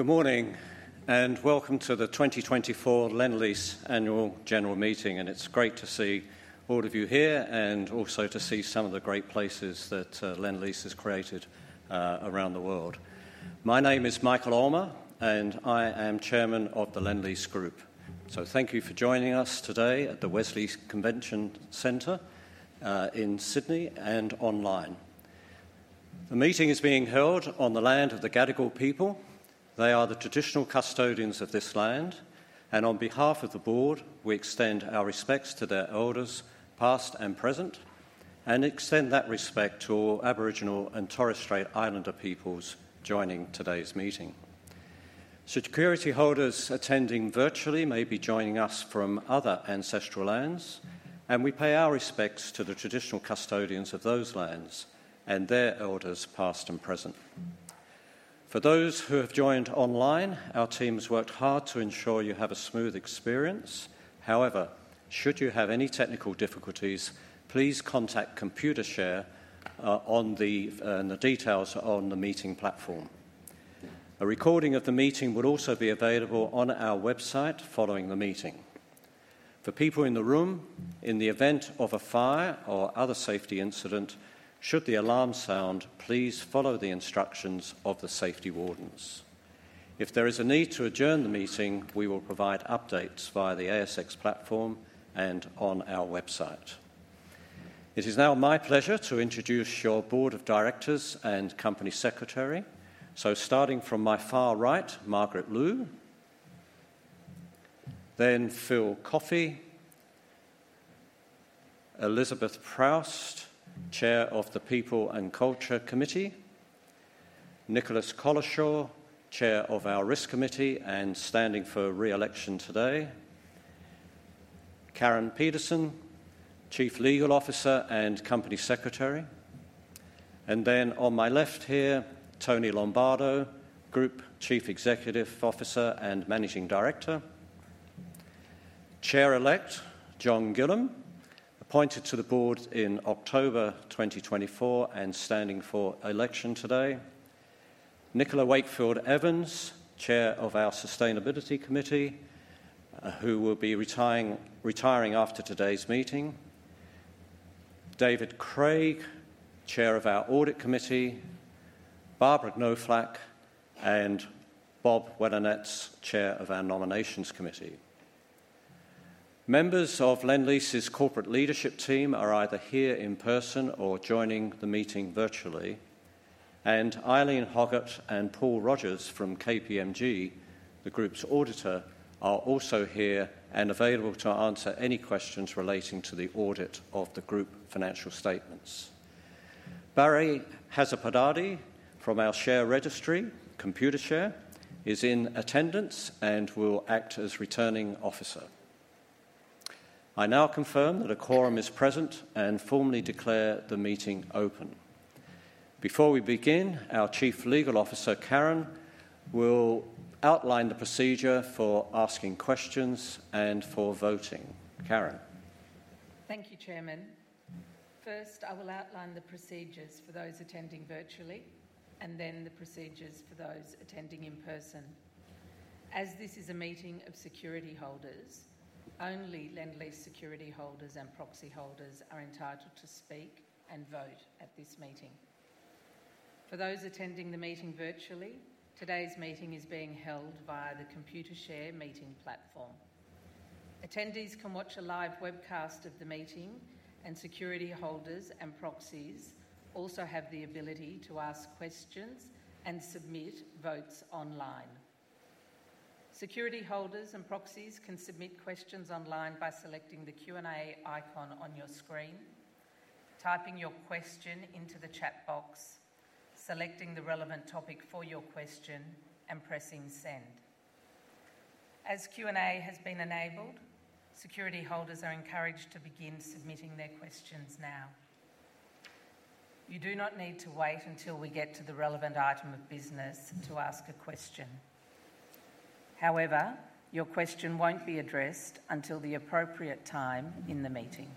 Good morning and welcome to the 2024 Lendlease Annual General Meeting. It's great to see all of you here and also to see some of the great places that Lendlease has created around the world. My name is Michael Ullmer, and I am Chairman of the Lendlease Group. Thank you for joining us today at the Wesley Conference Centre in Sydney and online. The meeting is being held on the land of the Gadigal people. They are the traditional custodians of this land, and on behalf of the Board, we extend our respects to their elders, past and present, and extend that respect to all Aboriginal and Torres Strait Islander peoples joining today's meeting. Security holders attending virtually may be joining us from other ancestral lands, and we pay our respects to the traditional custodians of those lands and their elders, past and present. For those who have joined online, our team has worked hard to ensure you have a smooth experience. However, should you have any technical difficulties, please contact Computershare on the details on the meeting platform. A recording of the meeting will also be available on our website following the meeting. For people in the room, in the event of a fire or other safety incident, should the alarm sound, please follow the instructions of the safety wardens. If there is a need to adjourn the meeting, we will provide updates via the ASX platform and on our website. It is now my pleasure to introduce your Board of Directors and Company Secretary. Starting from my far right, Margaret Lui, then Phil Coffey, Elizabeth Proust, Chair of the People and Culture Committee, Nicholas Collishaw, Chair of our Risk Committee and standing for re-election today, Karen Pedersen, Chief Legal Officer and Company Secretary, and then on my left here, Tony Lombardo, Group Chief Executive Officer and Managing Director, Chair-Elect John Gillam, appointed to the Board in October 2024 and standing for election today, Nicola Wakefield Evans, Chair of our Sustainability Committee, who will be retiring after today's meeting, David Craig, Chair of our Audit Committee, Barbara Knoflach, and Bob Welanetz, Chair of our Nominations Committee. Members of Lendlease's corporate leadership team are either here in person or joining the meeting virtually, and Eileen Hoggett and Paul Rogers from KPMG, the Group's auditor, are also here and available to answer any questions relating to the audit of the Group financial statements. Barry Hazzard from our share registry, Computershare, is in attendance and will act as Returning Officer. I now confirm that a quorum is present and formally declare the meeting open. Before we begin, our Chief Legal Officer, Karen, will outline the procedure for asking questions and for voting. Karen. Thank you, Chairman. First, I will outline the procedures for those attending virtually and then the procedures for those attending in person. As this is a meeting of security holders, only Lendlease security holders and proxy holders are entitled to speak and vote at this meeting. For those attending the meeting virtually, today's meeting is being held via the Computershare meeting platform. Attendees can watch a live webcast of the meeting, and security holders and proxies also have the ability to ask questions and submit votes online. Security holders and proxies can submit questions online by selecting the Q&A icon on your screen, typing your question into the chat box, selecting the relevant topic for your question, and pressing Send. As Q&A has been enabled, security holders are encouraged to begin submitting their questions now. You do not need to wait until we get to the relevant item of business to ask a question. However, your question won't be addressed until the appropriate time in the meeting.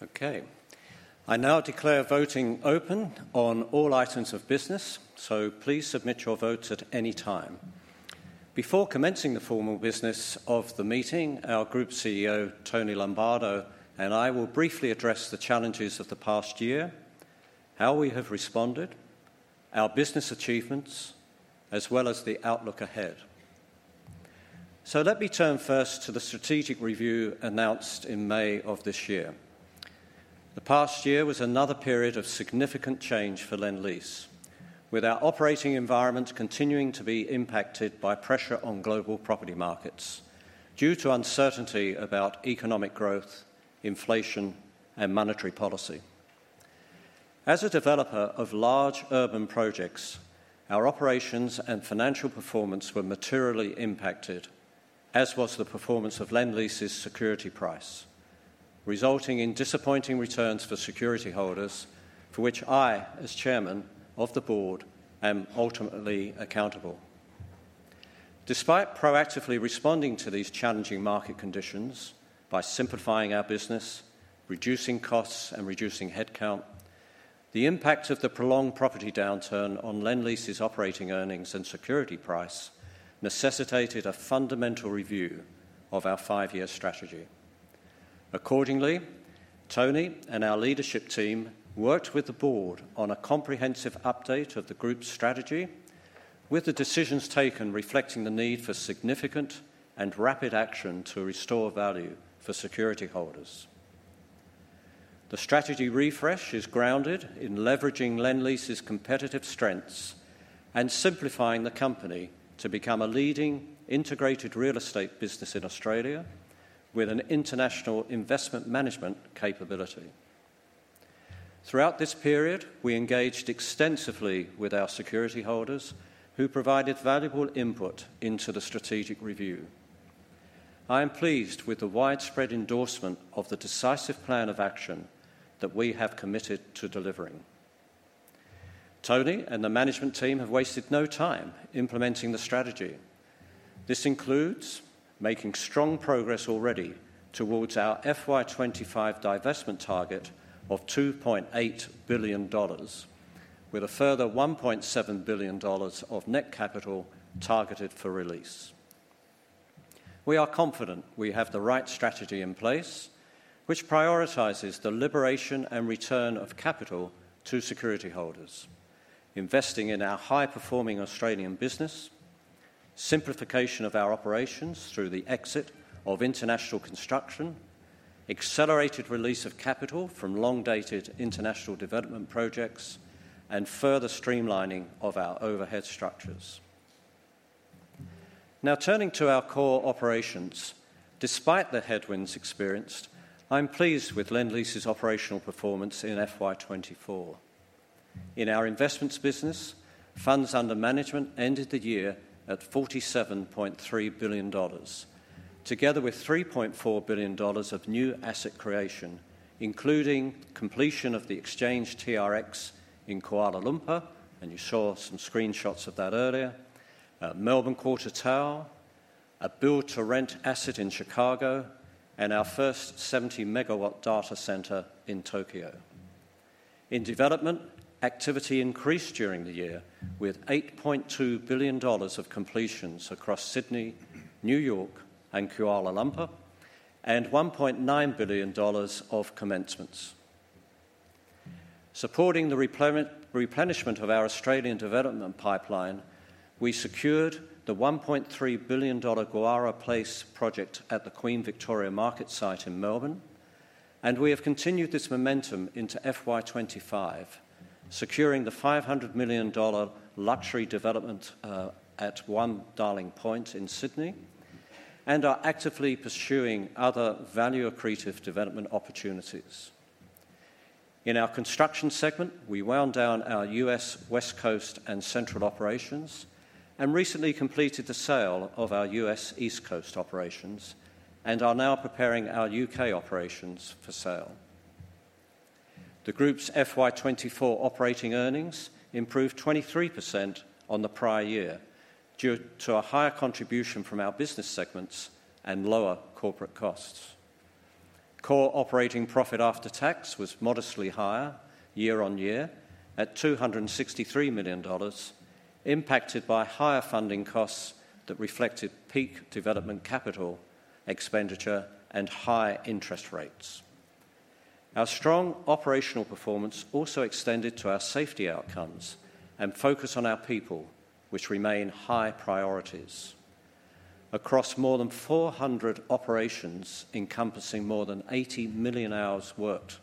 Okay. I now declare voting open on all items of business, so please submit your votes at any time. Before commencing the formal business of the meeting, our Group CEO, Tony Lombardo, and I will briefly address the challenges of the past year, how we have responded, our business achievements, as well as the outlook ahead. Let me turn first to the strategic review announced in May of this year. The past year was another period of significant change for Lendlease, with our operating environment continuing to be impacted by pressure on global property markets due to uncertainty about economic growth, inflation, and monetary policy. As a developer of large urban projects, our operations and financial performance were materially impacted, as was the performance of Lendlease's security price, resulting in disappointing returns for security holders for which I, as Chairman of the Board, am ultimately accountable. Despite proactively responding to these challenging market conditions by simplifying our business, reducing costs, and reducing headcount, the impact of the prolonged property downturn on Lendlease's operating earnings and security price necessitated a fundamental review of our five-year strategy. Accordingly, Tony and our leadership team worked with the Board on a comprehensive update of the Group's strategy, with the decisions taken reflecting the need for significant and rapid action to restore value for security holders. The strategy refresh is grounded in leveraging Lendlease's competitive strengths and simplifying the company to become a leading integrated real estate business in Australia with an international investment management capability. Throughout this period, we engaged extensively with our security holders, who provided valuable input into the strategic review. I am pleased with the widespread endorsement of the decisive plan of action that we have committed to delivering. Tony and the management team have wasted no time implementing the strategy. This includes making strong progress already towards our FY25 divestment target of 2.8 billion dollars, with a further 1.7 billion dollars of net capital targeted for release. We are confident we have the right strategy in place, which prioritizes the liberation and return of capital to security holders, investing in our high-performing Australian business, simplification of our operations through the exit of international construction, accelerated release of capital from long-dated international development projects, and further streamlining of our overhead structures. Now, turning to our core operations, despite the headwinds experienced, I'm pleased with Lendlease's operational performance in FY24. In our investments business, funds under management ended the year at 47.3 billion dollars, together with 3.4 billion dollars of new asset creation, including completion of the Exchange TRX in Kuala Lumpur, and you saw some screenshots of that earlier, Melbourne Quarter Tower, a build-to-rent asset in Chicago, and our first 70-megawatt data center in Tokyo. In development, activity increased during the year with 8.2 billion dollars of completions across Sydney, New York, and Kuala Lumpur, and 1.9 billion dollars of commencements. Supporting the replenishment of our Australian development pipeline, we secured the 1.3 billion dollar Gurrowa Place project at the Queen Victoria Market site in Melbourne, and we have continued this momentum into FY25, securing the 500 million dollar luxury development at One Darling Point in Sydney, and are actively pursuing other value-accretive development opportunities. In our construction segment, we wound down our U.S. West Coast and Central operations and recently completed the sale of our U.S. East Coast operations and are now preparing our U.K. operations for sale. The Group's FY24 operating earnings improved 23% on the prior year due to a higher contribution from our business segments and lower corporate costs. Core operating profit after tax was modestly higher year on year at $263 million, impacted by higher funding costs that reflected peak development capital expenditure and high interest rates. Our strong operational performance also extended to our safety outcomes and focus on our people, which remain high priorities. Across more than 400 operations encompassing more than 80 million hours worked,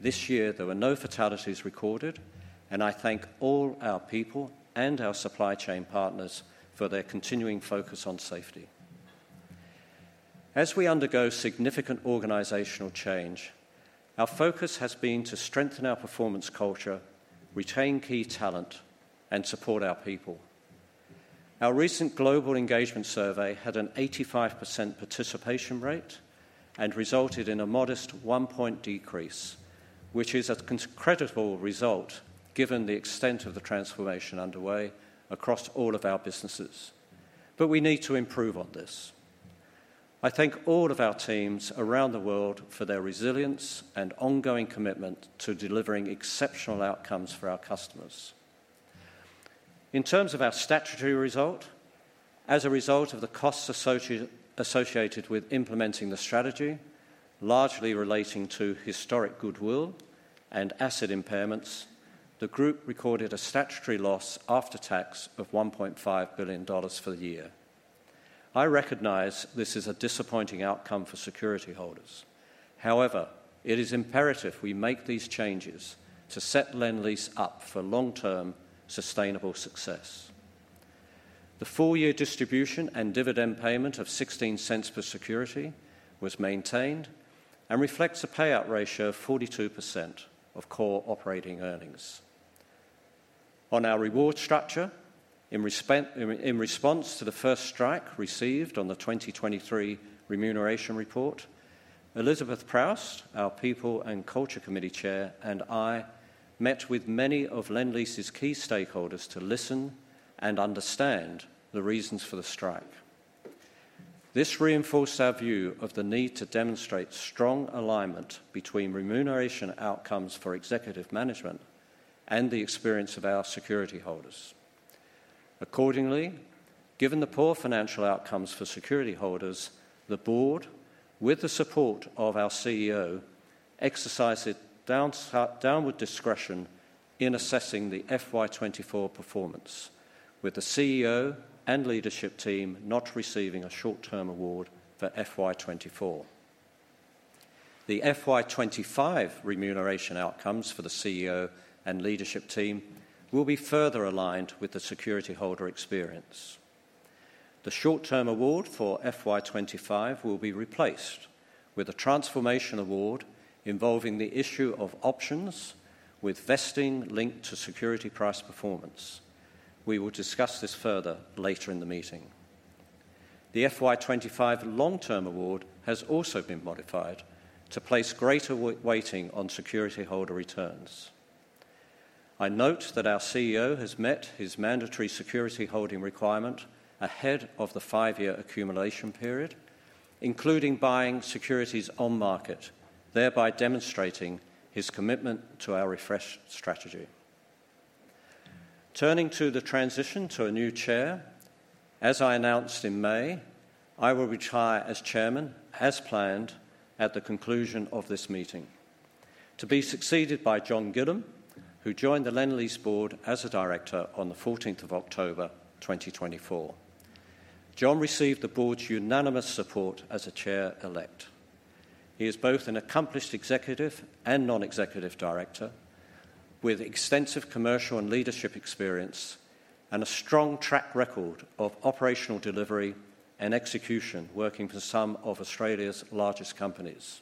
this year there were no fatalities recorded, and I thank all our people and our supply chain partners for their continuing focus on safety. As we undergo significant organizational change, our focus has been to strengthen our performance culture, retain key talent, and support our people. Our recent global engagement survey had an 85% participation rate and resulted in a modest one-point decrease, which is a credible result given the extent of the transformation underway across all of our businesses, but we need to improve on this. I thank all of our teams around the world for their resilience and ongoing commitment to delivering exceptional outcomes for our customers. In terms of our statutory result, as a result of the costs associated with implementing the strategy, largely relating to historic goodwill and asset impairments, the Group recorded a statutory loss after tax of 1.5 billion dollars for the year. I recognize this is a disappointing outcome for security holders. However, it is imperative we make these changes to set Lendlease up for long-term sustainable success. The four-year distribution and dividend payment of 0.16 per security was maintained and reflects a payout ratio of 42% of core operating earnings. On our reward structure, in response to the first strike received on the 2023 remuneration report, Elizabeth Proust, our People and Culture Committee Chair, and I met with many of Lendlease's key stakeholders to listen and understand the reasons for the strike. This reinforced our view of the need to demonstrate strong alignment between remuneration outcomes for executive management and the experience of our security holders. Accordingly, given the poor financial outcomes for security holders, the Board, with the support of our CEO, exercised downward discretion in assessing the FY24 performance, with the CEO and leadership team not receiving a short-term award for FY24. The FY25 remuneration outcomes for the CEO and leadership team will be further aligned with the security holder experience. The short-term award for FY25 will be replaced with a Transformation Award involving the issue of options with vesting linked to security price performance. We will discuss this further later in the meeting. The FY25 long-term award has also been modified to place greater weighting on security holder returns. I note that our CEO has met his mandatory security holding requirement ahead of the five-year accumulation period, including buying securities on market, thereby demonstrating his commitment to our refreshed strategy. Turning to the transition to a new chair, as I announced in May, I will retire as Chairman, as planned, at the conclusion of this meeting, to be succeeded by John Gillam, who joined the Lendlease Board as a Director on the 14th of October 2024. John received the Board's unanimous support as a Chair-Elect. He is both an accomplished executive and non-executive director, with extensive commercial and leadership experience and a strong track record of operational delivery and execution working for some of Australia's largest companies.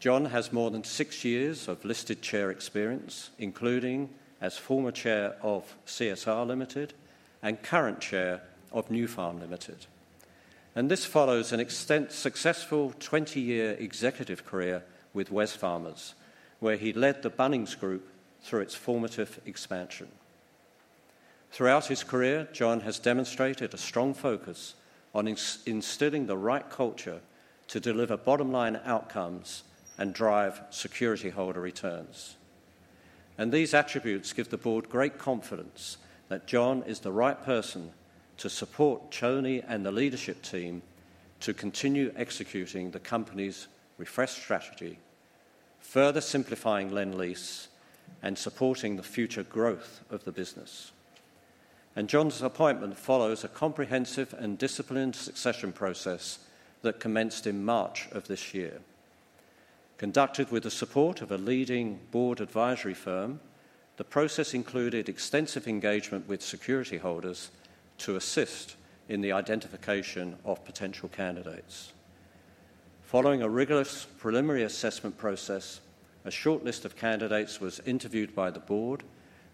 John has more than six years of listed chair experience, including as former Chair of CSR Limited and current Chair of Nufarm Limited. This follows an extensive, successful 20-year executive career with Wesfarmers, where he led the Bunnings Group through its formative expansion. Throughout his career, John has demonstrated a strong focus on instilling the right culture to deliver bottom-line outcomes and drive securityholder returns. These attributes give the Board great confidence that John is the right person to support Tony and the leadership team to continue executing the company's refreshed strategy, further simplifying Lendlease and supporting the future growth of the business. John's appointment follows a comprehensive and disciplined succession process that commenced in March of this year. Conducted with the support of a leading board advisory firm, the process included extensive engagement with security holders to assist in the identification of potential candidates. Following a rigorous preliminary assessment process, a short list of candidates was interviewed by the Board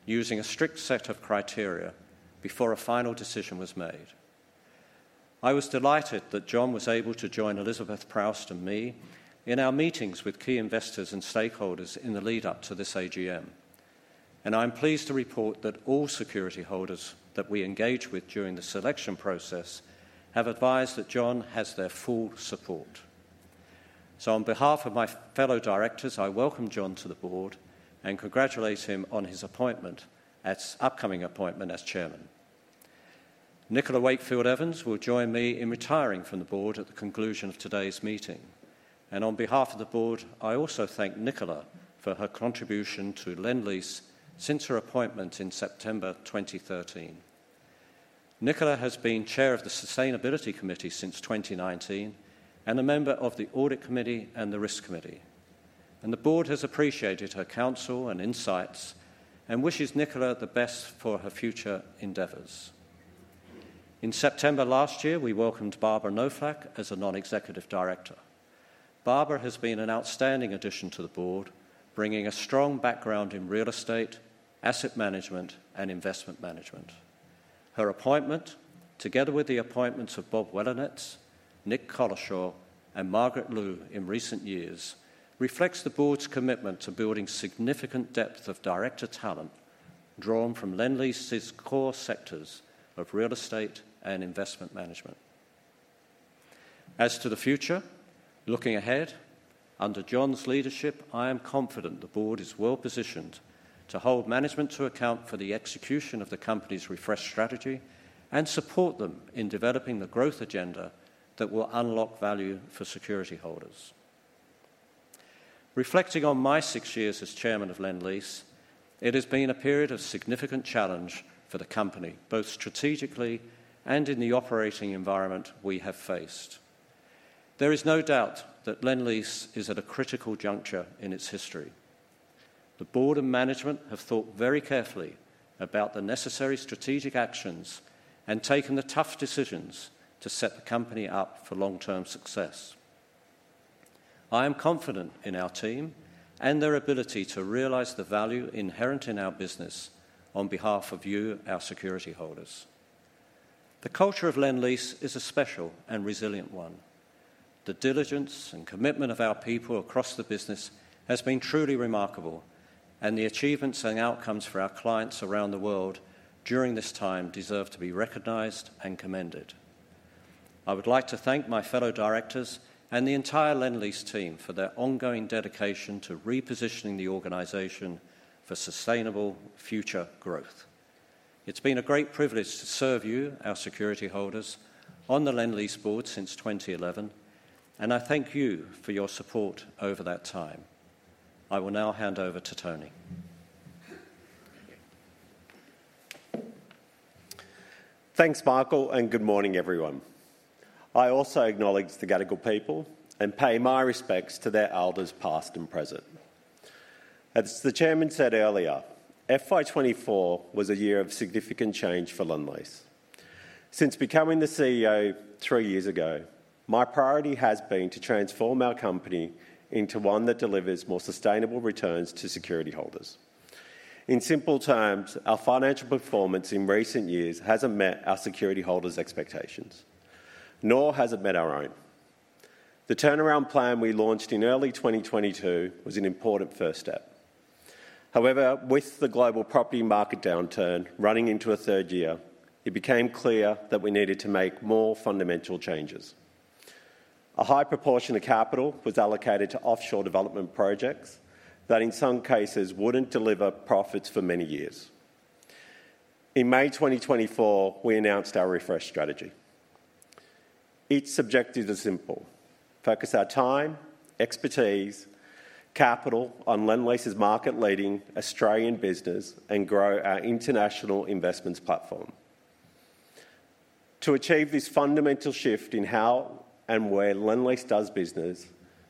using a strict set of criteria before a final decision was made. I was delighted that John was able to join Elizabeth Proust and me in our meetings with key investors and stakeholders in the lead-up to this AGM. I'm pleased to report that all security holders that we engaged with during the selection process have advised that John has their full support. On behalf of my fellow directors, I welcome John to the Board and congratulate him on his appointment and his upcoming appointment as Chairman. Nicola Wakefield Evans will join me in retiring from the Board at the conclusion of today's meeting. On behalf of the Board, I also thank Nicola for her contribution to Lendlease since her appointment in September 2013. Nicola has been Chair of the Sustainability Committee since 2019 and a member of the Audit Committee and the Risk Committee. The Board has appreciated her counsel and insights and wishes Nicola the best for her future endeavors. In September last year, we welcomed Barbara Knoflach as a non-executive director. Barbara has been an outstanding addition to the Board, bringing a strong background in real estate, asset management, and investment management. Her appointment, together with the appointments of Bob Welanetz, Nick Collishaw, and Margaret Lui in recent years, reflects the Board's commitment to building significant depth of director talent drawn from Lendlease's core sectors of real estate and investment management. As to the future, looking ahead, under John's leadership, I am confident the Board is well positioned to hold management to account for the execution of the company's refreshed strategy and support them in developing the growth agenda that will unlock value for security holders. Reflecting on my six years as Chairman of Lendlease, it has been a period of significant challenge for the company, both strategically and in the operating environment we have faced. There is no doubt that Lendlease is at a critical juncture in its history. The Board and management have thought very carefully about the necessary strategic actions and taken the tough decisions to set the company up for long-term success. I am confident in our team and their ability to realize the value inherent in our business on behalf of you, our security holders. The culture of Lendlease is a special and resilient one. The diligence and commitment of our people across the business has been truly remarkable, and the achievements and outcomes for our clients around the world during this time deserve to be recognized and commended. I would like to thank my fellow directors and the entire Lendlease team for their ongoing dedication to repositioning the organization for sustainable future growth. It's been a great privilege to serve you, our security holders, on the Lendlease Board since 2011, and I thank you for your support over that time. I will now hand over to Tony. Thanks, Michael, and good morning, everyone. I also acknowledge the Gadigal people and pay my respects to their elders past and present. As the Chairman said earlier, FY24 was a year of significant change for Lendlease. Since becoming the CEO three years ago, my priority has been to transform our company into one that delivers more sustainable returns to security holders. In simple terms, our financial performance in recent years hasn't met our security holders' expectations, nor has it met our own. The turnaround plan we launched in early 2022 was an important first step. However, with the global property market downturn running into a third year, it became clear that we needed to make more fundamental changes. A high proportion of capital was allocated to offshore development projects that, in some cases, wouldn't deliver profits for many years. In May 2024, we announced our refreshed strategy. Its objectives are simple: focus our time, expertise, capital on Lendlease's market-leading Australian business, and grow our international investments platform. To achieve this fundamental shift in how and where Lendlease does business,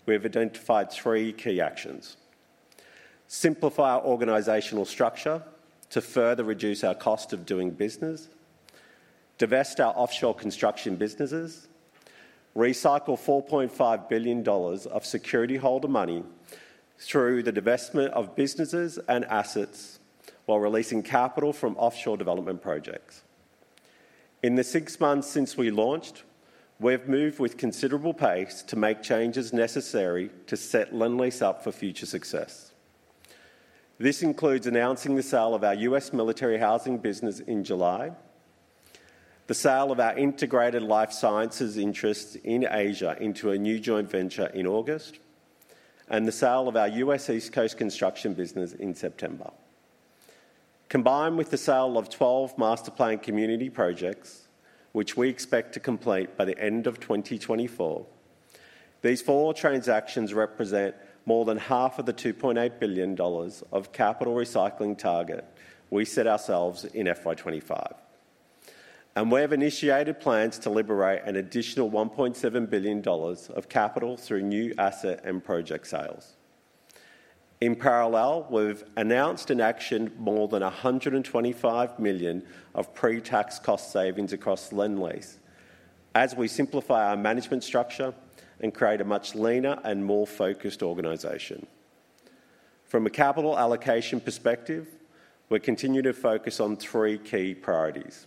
we have identified three key actions: simplify our organizational structure to further reduce our cost of doing business, divest our offshore construction businesses, recycle 4.5 billion dollars of securityholder money through the divestment of businesses and assets while releasing capital from offshore development projects. In the six months since we launched, we have moved with considerable pace to make changes necessary to set Lendlease up for future success. This includes announcing the sale of our U.S. military housing business in July, the sale of our integrated life sciences interests in Asia into a new joint venture in August, and the sale of our U.S. East Coast construction business in September. Combined with the sale of 12 master plan community projects, which we expect to complete by the end of 2024, these four transactions represent more than half of the 2.8 billion dollars of capital recycling target we set ourselves in FY25. We have initiated plans to liberate an additional 1.7 billion dollars of capital through new asset and project sales. In parallel, we've announced and actioned more than 125 million of pre-tax cost savings across Lendlease as we simplify our management structure and create a much leaner and more focused organization. From a capital allocation perspective, we continue to focus on three key priorities: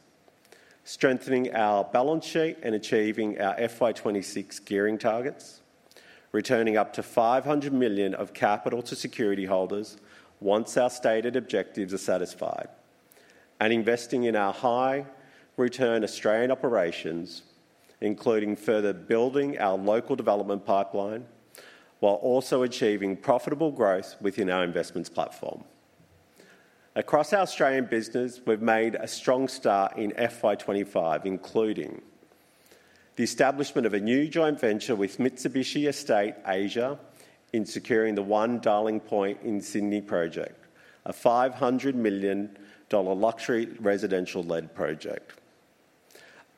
strengthening our balance sheet and achieving our FY26 gearing targets, returning up to 500 million of capital to security holders once our stated objectives are satisfied, and investing in our high-return Australian operations, including further building our local development pipeline while also achieving profitable growth within our investments platform. Across our Australian business, we've made a strong start in FY25, including the establishment of a new joint venture with Mitsubishi Estate Asia in securing the One Darling Point in Sydney project, a 500 million dollar luxury residential-led project,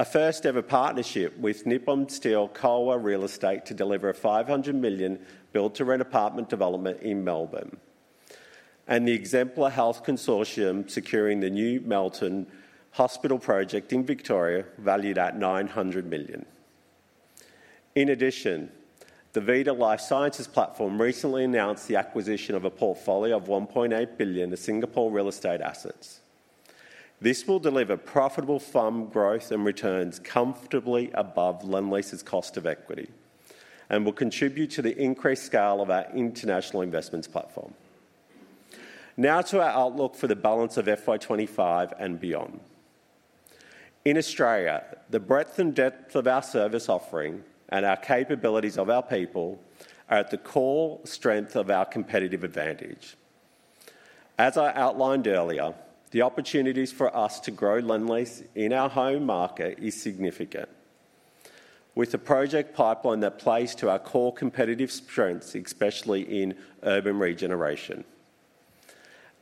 a first-ever partnership with Nippon Steel Kowa Real Estate to deliver a 500 million build-to-rent apartment development in Melbourne, and the Exemplar Health Consortium securing the new Melton Hospital project in Victoria, valued at 900 million. In addition, the Asia Life Sciences platform recently announced the acquisition of a portfolio of 1.8 billion of Singapore real estate assets. This will deliver profitable fund growth and returns comfortably above Lendlease's cost of equity and will contribute to the increased scale of our international investments platform. Now to our outlook for the balance of FY25 and beyond. In Australia, the breadth and depth of our service offering and our capabilities of our people are at the core strength of our competitive advantage. As I outlined earlier, the opportunities for us to grow Lendlease in our home market are significant, with the project pipeline that plays to our core competitive strengths, especially in urban regeneration,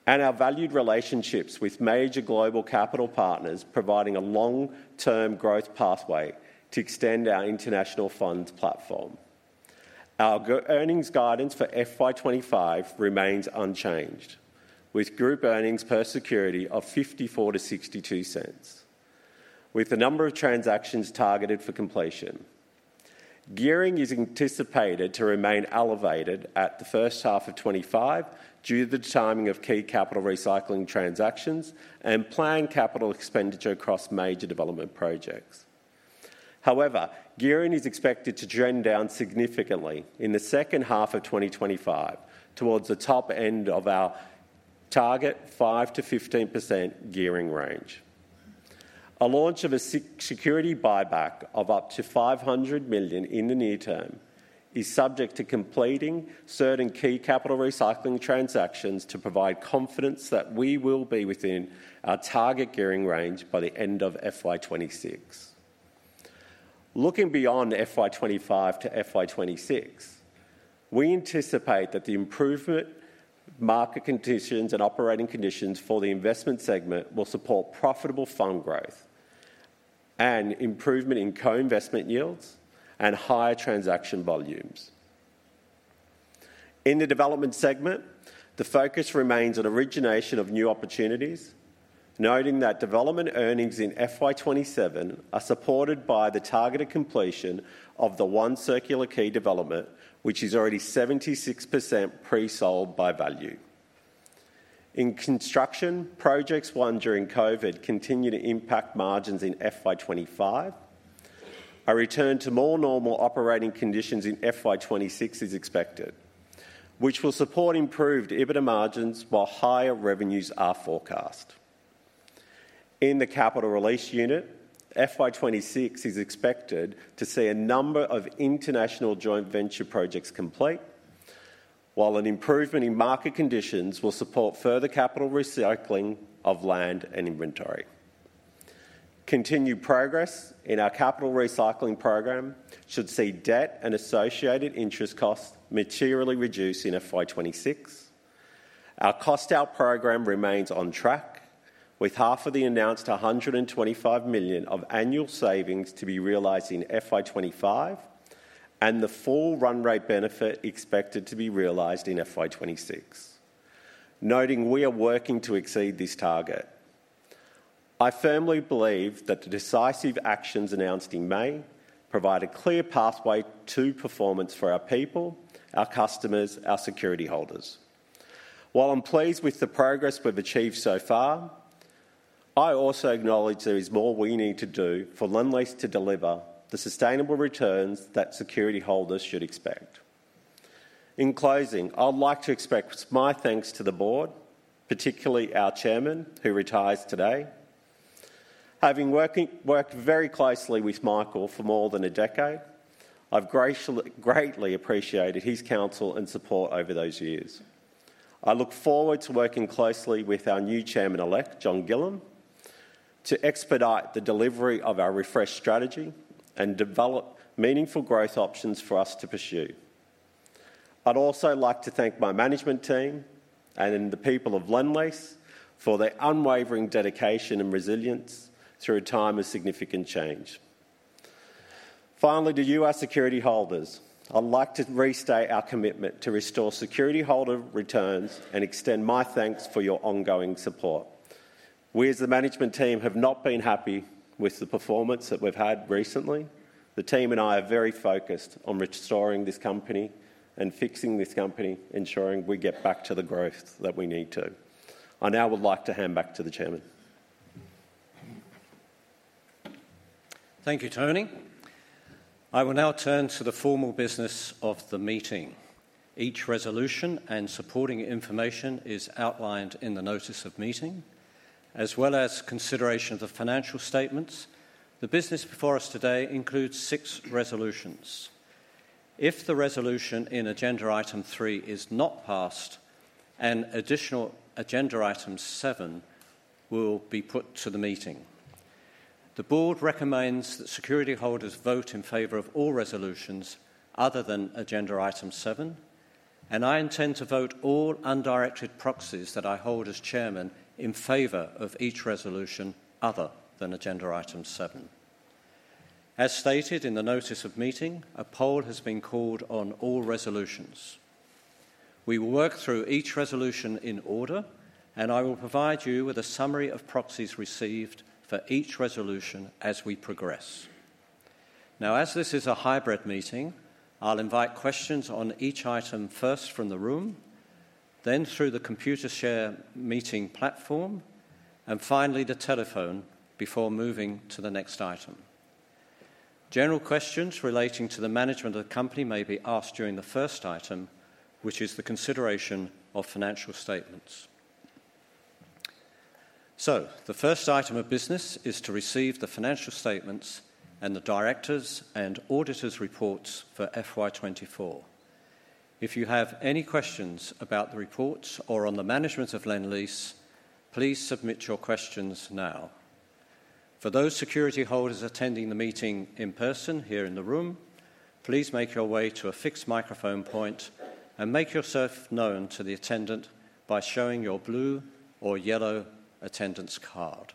and our valued relationships with major global capital partners providing a long-term growth pathway to extend our international funds platform. Our earnings guidance for FY25 remains unchanged, with group earnings per security of $0.54-$0.62, with the number of transactions targeted for completion. Gearing is anticipated to remain elevated at the first half of 2025 due to the timing of key capital recycling transactions and planned capital expenditure across major development projects. However, gearing is expected to trend down significantly in the second half of 2025 towards the top end of our target 5%-15% gearing range. A launch of a security buyback of up to $500 million in the near term is subject to completing certain key capital recycling transactions to provide confidence that we will be within our target gearing range by the end of FY26. Looking beyond FY25 to FY26, we anticipate that the improvement in market conditions and operating conditions for the investment segment will support profitable fund growth and improvement in co-investment yields and higher transaction volumes. In the development segment, the focus remains on origination of new opportunities, noting that development earnings in FY27 are supported by the targeted completion of the One Circular Quay development, which is already 76% pre-sold by value. In construction, projects won during COVID continue to impact margins in FY25. A return to more normal operating conditions in FY26 is expected, which will support improved EBITDA margins while higher revenues are forecast. In the capital release unit, FY26 is expected to see a number of international joint venture projects complete, while an improvement in market conditions will support further capital recycling of land and inventory. Continued progress in our capital recycling program should see debt and associated interest costs materially reduce in FY26. Our cost-out program remains on track, with half of the announced 125 million of annual savings to be realized in FY25 and the full run-rate benefit expected to be realized in FY26, noting we are working to exceed this target. I firmly believe that the decisive actions announced in May provide a clear pathway to performance for our people, our customers, our security holders. While I'm pleased with the progress we've achieved so far, I also acknowledge there is more we need to do for Lendlease to deliver the sustainable returns that security holders should expect. In closing, I'd like to express my thanks to the Board, particularly our Chairman, who retires today. Having worked very closely with Michael for more than a decade, I've greatly appreciated his counsel and support over those years. I look forward to working closely with our new Chairman-elect, John Gillam, to expedite the delivery of our refreshed strategy and develop meaningful growth options for us to pursue. I'd also like to thank my management team and the people of Lendlease for their unwavering dedication and resilience through a time of significant change. Finally, to you, our security holders, I'd like to restate our commitment to restore security holder returns and extend my thanks for your ongoing support. We, as the management team, have not been happy with the performance that we've had recently. The team and I are very focused on restoring this company and fixing this company, ensuring we get back to the growth that we need to. I now would like to hand back to the Chairman. Thank you, Tony. I will now turn to the formal business of the meeting. Each resolution and supporting information is outlined in the notice of meeting, as well as consideration of the financial statements. The business before us today includes six resolutions. If the resolution in agenda item three is not passed, an additional agenda item seven will be put to the meeting. The Board recommends that security holders vote in favor of all resolutions other than agenda item seven, and I intend to vote all undirected proxies that I hold as Chairman in favor of each resolution other than agenda item seven. As stated in the notice of meeting, a poll has been called on all resolutions. We will work through each resolution in order, and I will provide you with a summary of proxies received for each resolution as we progress. Now, as this is a hybrid meeting, I'll invite questions on each item first from the room, then through the Computershare meeting platform, and finally the telephone before moving to the next item. General questions relating to the management of the company may be asked during the first item, which is the consideration of financial statements. So, the first item of business is to receive the financial statements and the directors' and auditors' reports for FY24. If you have any questions about the reports or on the management of Lendlease, please submit your questions now. For those security holders attending the meeting in person here in the room, please make your way to a fixed microphone point and make yourself known to the attendant by showing your blue or yellow attendance card.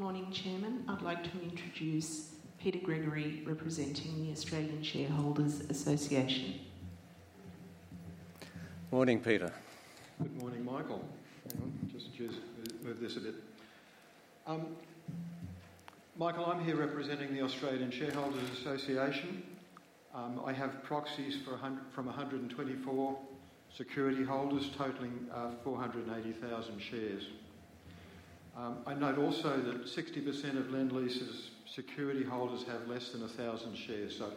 Good morning, Chairman. I'd like to introduce Peter Gregory, representing the Australian Shareholders' Association. Morning, Peter. Good morning, Michael. Just to move this a bit. Michael, I'm here representing the Australian Shareholders' Association. I have proxies from 124 security holders totaling 480,000 shares. I note also that 60% of Lendlease's security holders have less than 1,000 shares, so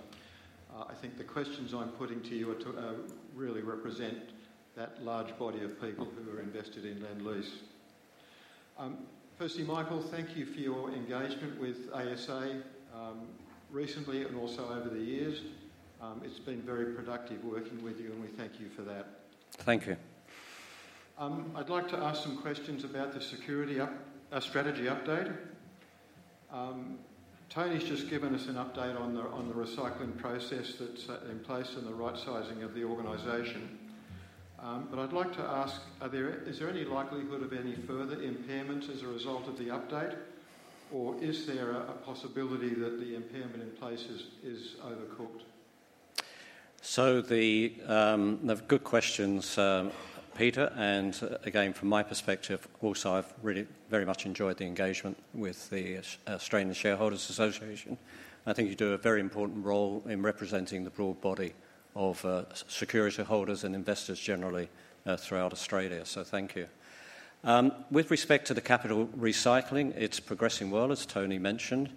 I think the questions I'm putting to you really represent that large body of people who are invested in Lendlease. Firstly, Michael, thank you for your engagement with ASA recently and also over the years. It's been very productive working with you, and we thank you for that. Thank you. I'd like to ask some questions about the strategic strategy update. Tony's just given us an update on the recycling process that's in place and the right-sizing of the organization, but I'd like to ask, is there any likelihood of any further impairments as a result of the update, or is there a possibility that the impairment in place is overcooked? Good questions, Peter. Again, from my perspective, also, I've really very much enjoyed the engagement with the Australian Shareholders' Association. I think you do a very important role in representing the broad body of security holders and investors generally throughout Australia, so thank you. With respect to the capital recycling, it's progressing well, as Tony mentioned,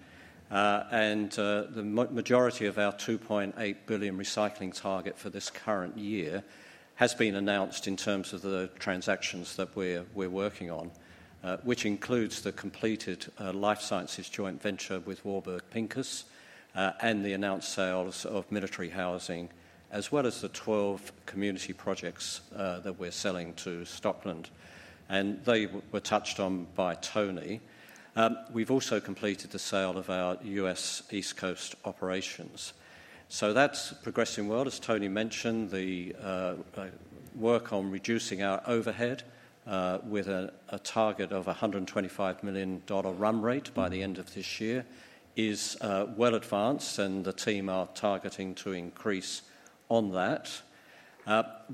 and the majority of our 2.8 billion recycling target for this current year has been announced in terms of the transactions that we're working on, which includes the completed Life Sciences joint venture with Warburg Pincus and the announced sales of military housing, as well as the 12 community projects that we're selling to Stockland. They were touched on by Tony. We've also completed the sale of our U.S. East Coast operations. That's progressing well, as Tony mentioned. The work on reducing our overhead with a target of 125 million dollar run-rate by the end of this year is well advanced, and the team are targeting to increase on that.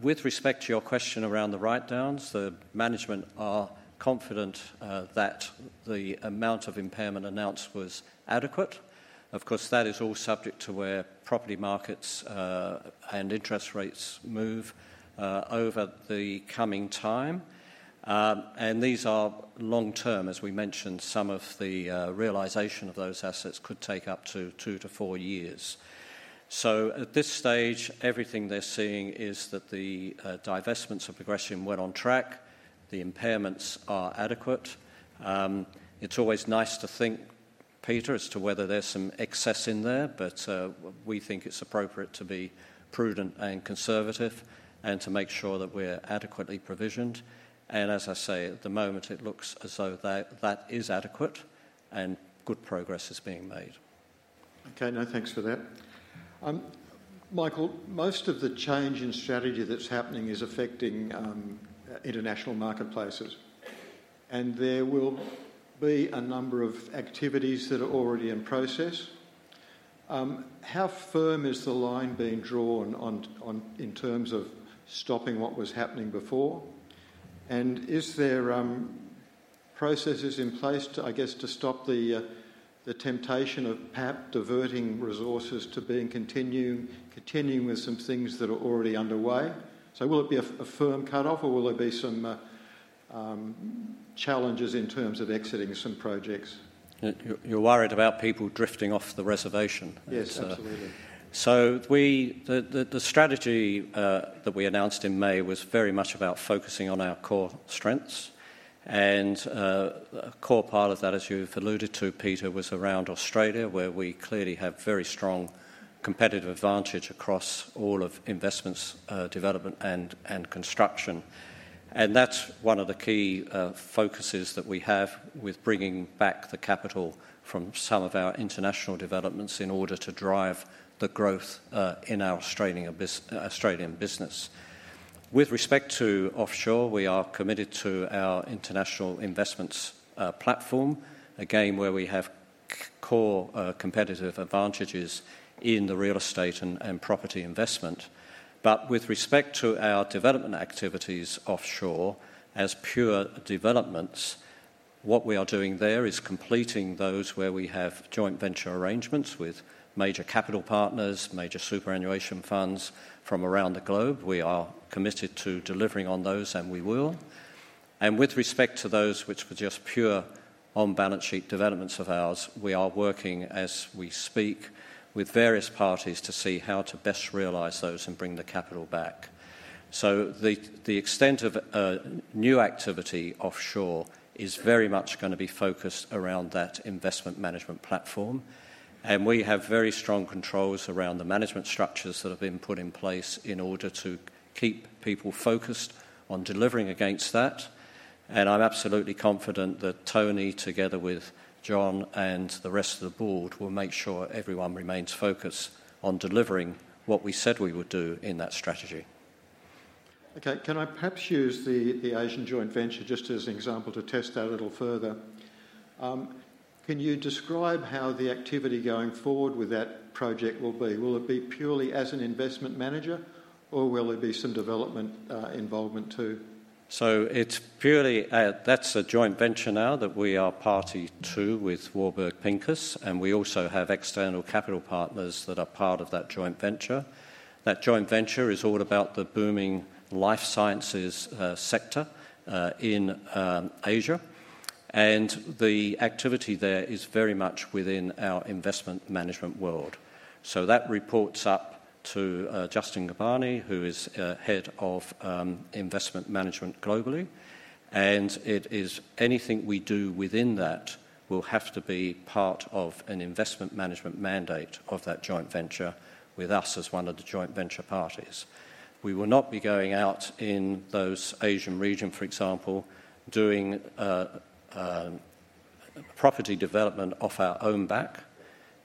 With respect to your question around the write-downs, the management are confident that the amount of impairment announced was adequate. Of course, that is all subject to where property markets and interest rates move over the coming time, and these are long-term. As we mentioned, some of the realization of those assets could take up to two to four years. So, at this stage, everything they're seeing is that the divestments are progressing well on track, the impairments are adequate. It's always nice to think, Peter, as to whether there's some excess in there, but we think it's appropriate to be prudent and conservative and to make sure that we're adequately provisioned. As I say, at the moment, it looks as though that is adequate, and good progress is being made. Okay, no, thanks for that. Michael, most of the change in strategy that's happening is affecting international marketplaces, and there will be a number of activities that are already in process. How firm is the line being drawn in terms of stopping what was happening before? And are there processes in place, I guess, to stop the temptation of perhaps diverting resources to being continuing with some things that are already underway? So, will it be a firm cutoff, or will there be some challenges in terms of exiting some projects? You're worried about people drifting off the reservation. Yes, absolutely. The strategy that we announced in May was very much about focusing on our core strengths, and a core part of that, as you've alluded to, Peter, was around Australia, where we clearly have very strong competitive advantage across all of investments, development, and construction. And that's one of the key focuses that we have with bringing back the capital from some of our international developments in order to drive the growth in our Australian business. With respect to offshore, we are committed to our international investments platform, again, where we have core competitive advantages in the real estate and property investment. But with respect to our development activities offshore, as pure developments, what we are doing there is completing those where we have joint venture arrangements with major capital partners, major superannuation funds from around the globe. We are committed to delivering on those, and we will. With respect to those which were just pure on-balance sheet developments of ours, we are working, as we speak, with various parties to see how to best realize those and bring the capital back. The extent of new activity offshore is very much going to be focused around that investment management platform, and we have very strong controls around the management structures that have been put in place in order to keep people focused on delivering against that. I'm absolutely confident that Tony, together with John and the rest of the Board, will make sure everyone remains focused on delivering what we said we would do in that strategy. Okay, can I perhaps use the Asian joint venture just as an example to test that a little further? Can you describe how the activity going forward with that project will be? Will it be purely as an investment manager, or will there be some development involvement too? That's a joint venture now that we are party to with Warburg Pincus, and we also have external capital partners that are part of that joint venture. That joint venture is all about the booming life sciences sector in Asia, and the activity there is very much within our investment management world. That reports up to Justin Gabbani, who is head of investment management globally, and it is anything we do within that will have to be part of an investment management mandate of that joint venture with us as one of the joint venture parties. We will not be going out in those Asian region, for example, doing property development off our own back.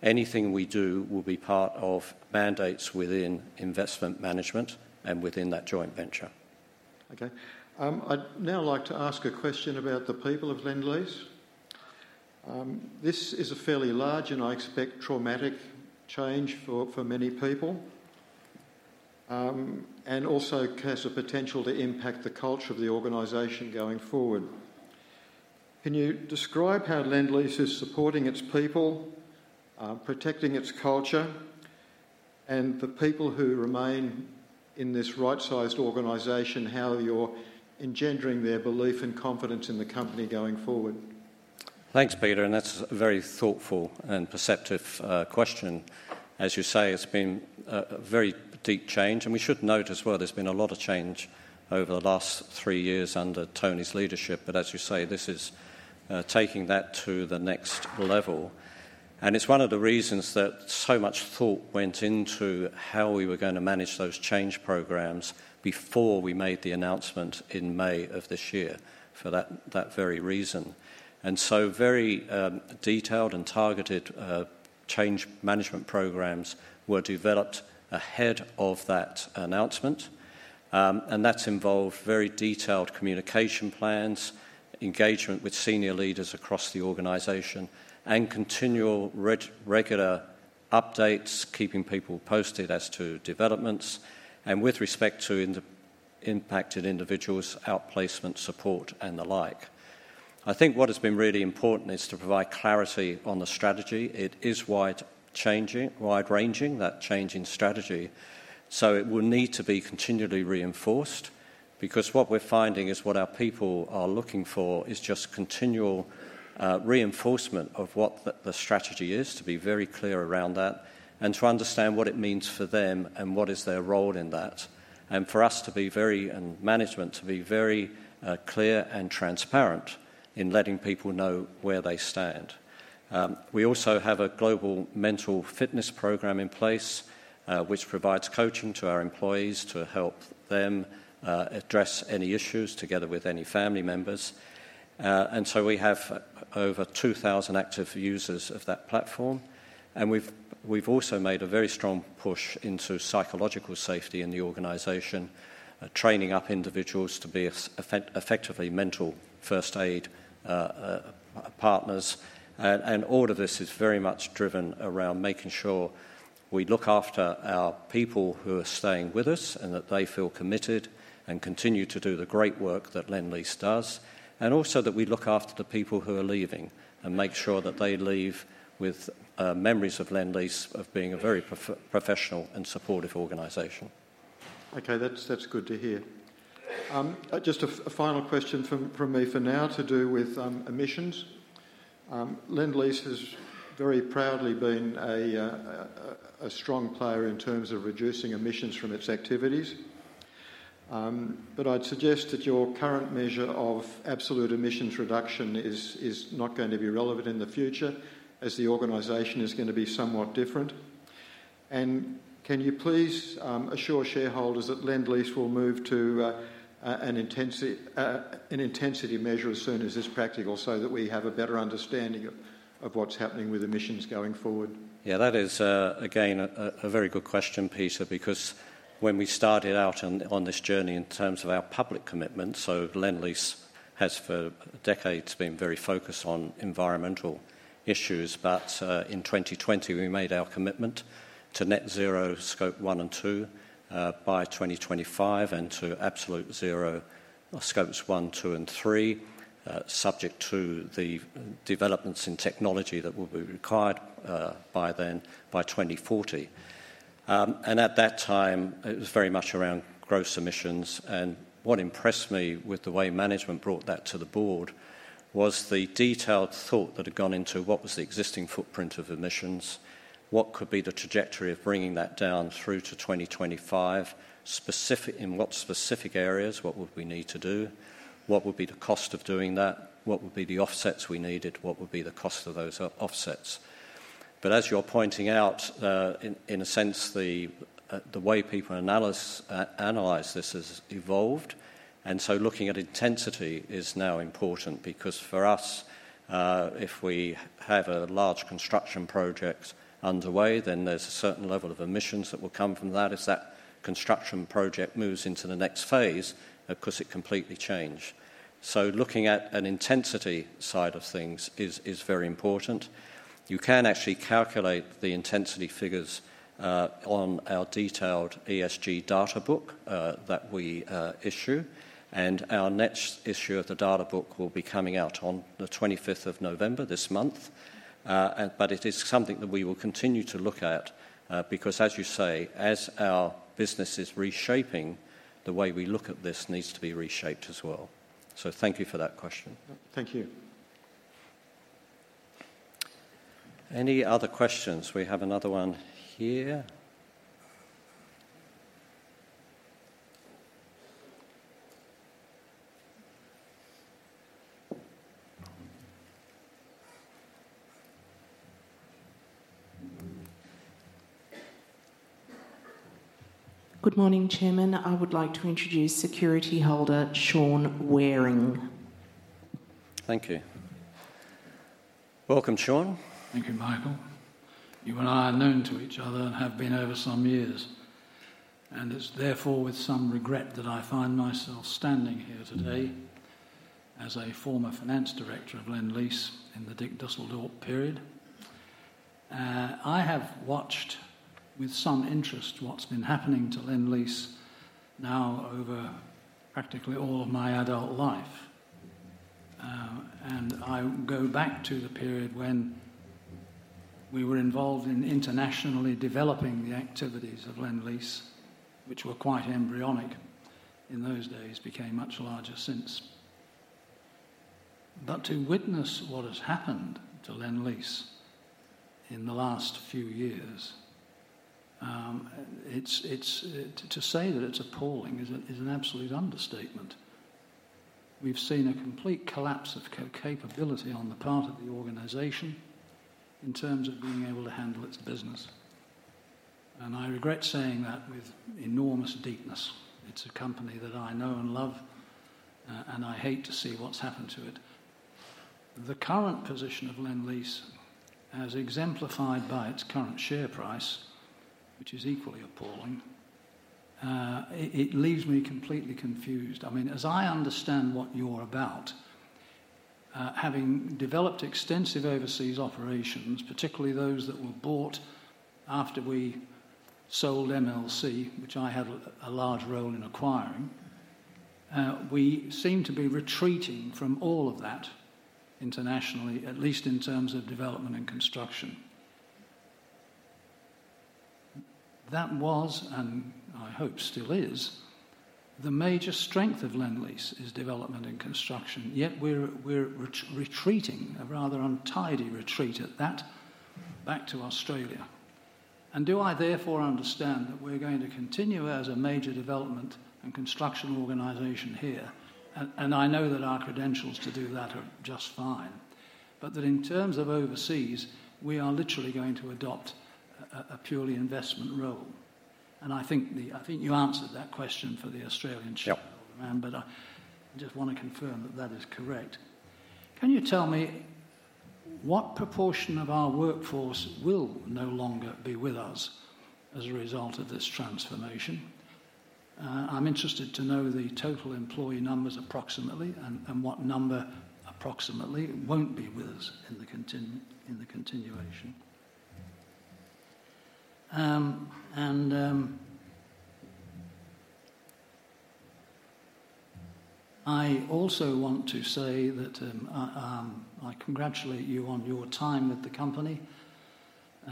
Anything we do will be part of mandates within investment management and within that joint venture. Okay, I'd now like to ask a question about the people of Lendlease. This is a fairly large and I expect traumatic change for many people and also has the potential to impact the culture of the organization going forward. Can you describe how Lendlease is supporting its people, protecting its culture, and the people who remain in this right-sized organization, how you're engendering their belief and confidence in the company going forward? Thanks, Peter, and that's a very thoughtful and perceptive question. As you say, it's been a very deep change, and we should note as well there's been a lot of change over the last three years under Tony's leadership, but as you say, this is taking that to the next level. And it's one of the reasons that so much thought went into how we were going to manage those change programs before we made the announcement in May of this year, for that very reason. And so, very detailed and targeted change management programs were developed ahead of that announcement, and that's involved very detailed communication plans, engagement with senior leaders across the organization, and continual regular updates, keeping people posted as to developments, and with respect to impacted individuals, outplacement support, and the like. I think what has been really important is to provide clarity on the strategy. It is wide-ranging, that change in strategy, so it will need to be continually reinforced because what we're finding is what our people are looking for is just continual reinforcement of what the strategy is, to be very clear around that, and to understand what it means for them and what is their role in that, and for us to be very, and management to be very clear and transparent in letting people know where they stand. We also have a global mental fitness program in place, which provides coaching to our employees to help them address any issues together with any family members, and so we have over 2,000 active users of that platform, and we've also made a very strong push into psychological safety in the organization, training up individuals to be effectively mental first aid partners. All of this is very much driven around making sure we look after our people who are staying with us and that they feel committed and continue to do the great work that Lendlease does, and also that we look after the people who are leaving and make sure that they leave with memories of Lendlease of being a very professional and supportive organization. Okay, that's good to hear. Just a final question from me for now to do with emissions. Lendlease has very proudly been a strong player in terms of reducing emissions from its activities, but I'd suggest that your current measure of absolute emissions reduction is not going to be relevant in the future as the organization is going to be somewhat different. And can you please assure shareholders that Lendlease will move to an intensity measure as soon as it's practical so that we have a better understanding of what's happening with emissions going forward? Yeah, that is, again, a very good question, Peter, because when we started out on this journey in terms of our public commitment. So Lendlease has for decades been very focused on environmental issues, but in 2020, we made our commitment to net zero scope one and two by 2025 and to absolute zero scopes one, two, and three, subject to the developments in technology that will be required by then, by 2040. At that time, it was very much around gross emissions, and what impressed me with the way management brought that to the Board was the detailed thought that had gone into what was the existing footprint of emissions, what could be the trajectory of bringing that down through to 2025, specific in what specific areas, what would we need to do, what would be the cost of doing that, what would be the offsets we needed, what would be the cost of those offsets. But as you're pointing out, in a sense, the way people analyze this has evolved, and so looking at intensity is now important because for us, if we have a large construction project underway, then there's a certain level of emissions that will come from that. As that construction project moves into the next phase, of course, it completely changed. So, looking at an intensity side of things is very important. You can actually calculate the intensity figures on our detailed ESG data book that we issue, and our next issue of the data book will be coming out on the 25th of November this month, but it is something that we will continue to look at because, as you say, as our business is reshaping, the way we look at this needs to be reshaped as well. So, thank you for that question. Thank you. Any other questions? We have another one here. Good morning, Chairman. I would like to introduce security holder Sean Wareing. Thank you. Welcome, Sean. Thank you, Michael. You and I are known to each other and have been over some years, and it's therefore with some regret that I find myself standing here today as a former finance director of Lendlease in the Dick Dusseldorp period. I have watched with some interest what's been happening to Lendlease now over practically all of my adult life, and I go back to the period when we were involved in internationally developing the activities of Lendlease, which were quite embryonic in those days, became much larger since. But to witness what has happened to Lendlease in the last few years, to say that it's appalling is an absolute understatement. We've seen a complete collapse of capability on the part of the organization in terms of being able to handle its business, and I regret saying that with enormous deepness. It's a company that I know and love, and I hate to see what's happened to it. The current position of Lendlease, as exemplified by its current share price, which is equally appalling, it leaves me completely confused. I mean, as I understand what you're about, having developed extensive overseas operations, particularly those that were bought after we sold MLC, which I had a large role in acquiring, we seem to be retreating from all of that internationally, at least in terms of development and construction. That was, and I hope still is, the major strength of Lendlease is development and construction, yet we're retreating, a rather untidy retreat at that, back to Australia. And do I therefore understand that we're going to continue as a major development and construction organization here? And I know that our credentials to do that are just fine, but that in terms of overseas, we are literally going to adopt a purely investment role. And I think you answered that question for the Australian shareholder, man, but I just want to confirm that that is correct. Can you tell me what proportion of our workforce will no longer be with us as a result of this transformation? I'm interested to know the total employee numbers approximately and what number approximately won't be with us in the continuation. And I also want to say that I congratulate you on your time with the company.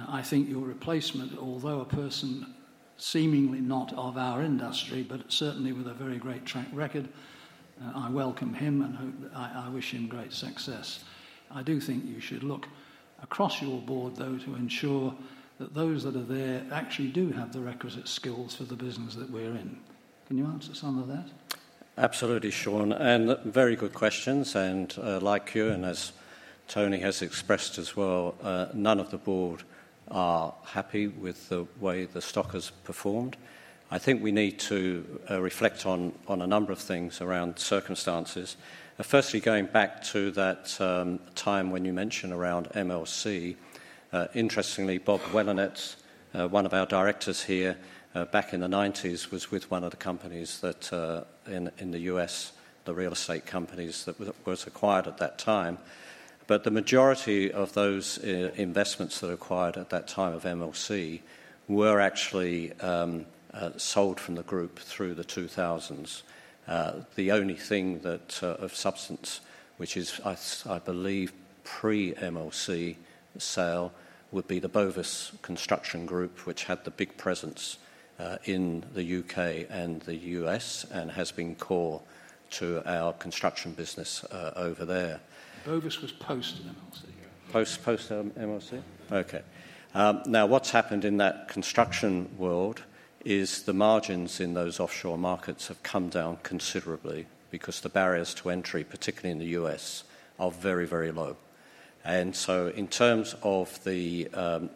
I think your replacement, although a person seemingly not of our industry, but certainly with a very great track record, I welcome him and I wish him great success. I do think you should look across your board, though, to ensure that those that are there actually do have the requisite skills for the business that we're in. Can you answer some of that? Absolutely, Sean, and very good questions. Like you and as Tony has expressed as well, none of the Board are happy with the way the stock has performed. I think we need to reflect on a number of things around circumstances. Firstly, going back to that time when you mentioned around MLC, interestingly, Bob Welanetz, one of our directors here, back in the 1990s, was with one of the companies that in the U.S., the real estate companies that was acquired at that time. But the majority of those investments that were acquired at that time of MLC were actually sold from the group through the 2000s. The only thing of substance, which is, I believe, pre-MLC sale, would be the Bovis Construction Group, which had the big presence in the U.K. and the U.S. and has been core to our construction business over there. Bovis was post-MLC. Post-MLC? Okay. Now, what's happened in that construction world is the margins in those offshore markets have come down considerably because the barriers to entry, particularly in the U.S., are very, very low. And so, in terms of the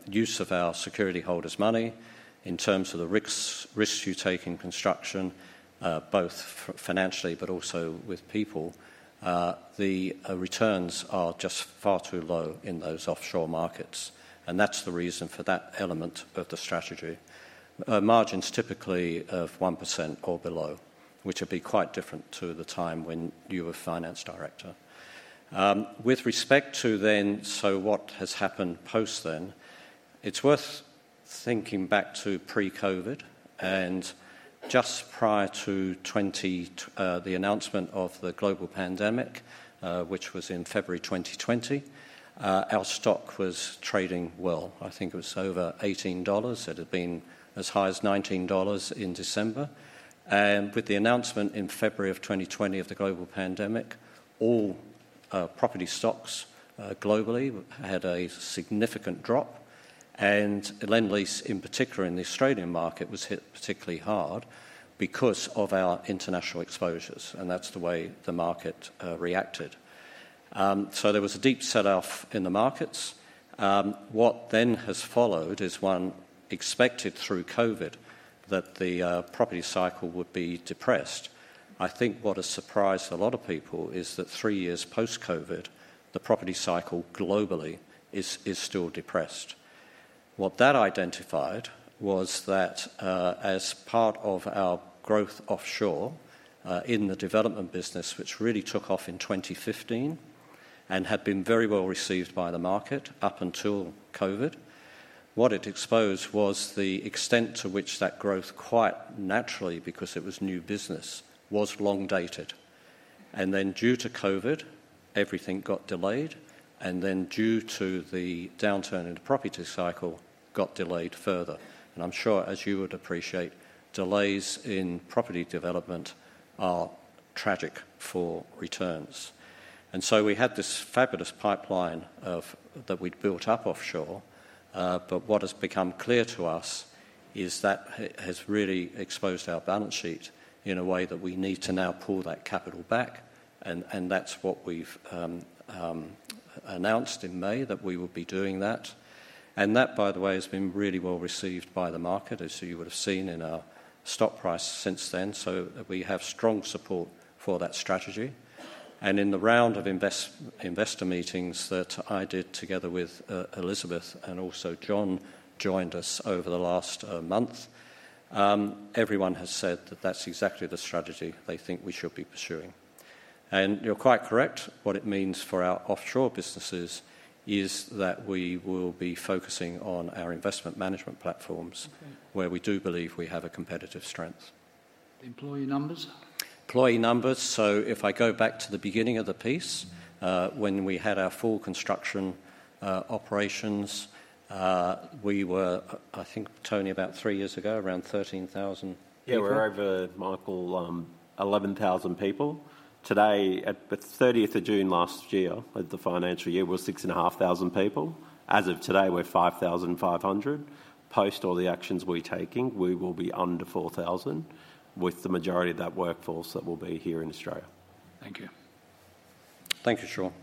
use of our security holders' money, in terms of the risks you take in construction, both financially but also with people, the returns are just far too low in those offshore markets, and that's the reason for that element of the strategy. Margins typically of 1% or below, which would be quite different to the time when you were finance director. With respect to then, so what has happened post then, it's worth thinking back to pre-COVID and just prior to the announcement of the global pandemic, which was in February 2020, our stock was trading well. I think it was over $18. It had been as high as 19 dollars in December, and with the announcement in February of 2020 of the global pandemic, all property stocks globally had a significant drop, and Lendlease, in particular in the Australian market, was hit particularly hard because of our international exposures, and that's the way the market reacted, so there was a deep selloff in the markets. What then has followed is one expected through COVID that the property cycle would be depressed. I think what has surprised a lot of people is that three years post-COVID, the property cycle globally is still depressed. What that identified was that as part of our growth offshore in the development business, which really took off in 2015 and had been very well received by the market up until COVID, what it exposed was the extent to which that growth, quite naturally because it was new business, was long-dated. Then due to COVID, everything got delayed, and then due to the downturn in the property cycle, got delayed further. I'm sure, as you would appreciate, delays in property development are tragic for returns. So we had this fabulous pipeline that we'd built up offshore, but what has become clear to us is that has really exposed our balance sheet in a way that we need to now pull that capital back, and that's what we've announced in May that we will be doing that. And that, by the way, has been really well received by the market, as you would have seen in our stock price since then, so we have strong support for that strategy. And in the round of investor meetings that I did together with Elizabeth and also John joined us over the last month, everyone has said that that's exactly the strategy they think we should be pursuing. And you're quite correct. What it means for our offshore businesses is that we will be focusing on our investment management platforms where we do believe we have a competitive strength. Employee numbers? Employee numbers. So if I go back to the beginning of the piece, when we had our full construction operations, we were, I think, Tony, about three years ago, around 13,000 people. Yeah, we were over, Michael, 11,000 people. Today, at the 30th of June last year, the financial year, we were 6,500 people. As of today, we're 5,500. Post all the actions we're taking, we will be under 4,000 with the majority of that workforce that will be here in Australia. Thank you. Thank you, Sean.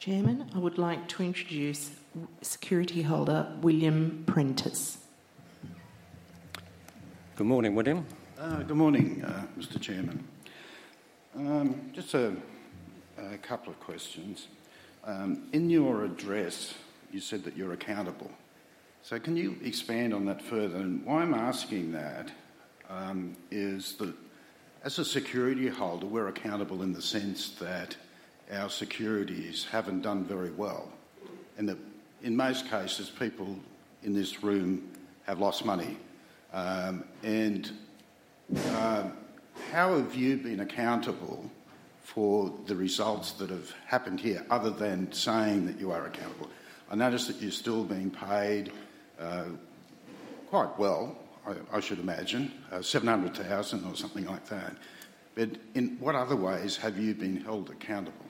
Chairman, I would like to introduce security holder William Prentice. Good morning, William. Good morning, Mr. Chairman. Just a couple of questions. In your address, you said that you're accountable. So can you expand on that further? And why I'm asking that is that as a security holder, we're accountable in the sense that our securities haven't done very well, and that in most cases, people in this room have lost money. And how have you been accountable for the results that have happened here other than saying that you are accountable? I noticed that you're still being paid quite well, I should imagine, 700,000 or something like that. But in what other ways have you been held accountable?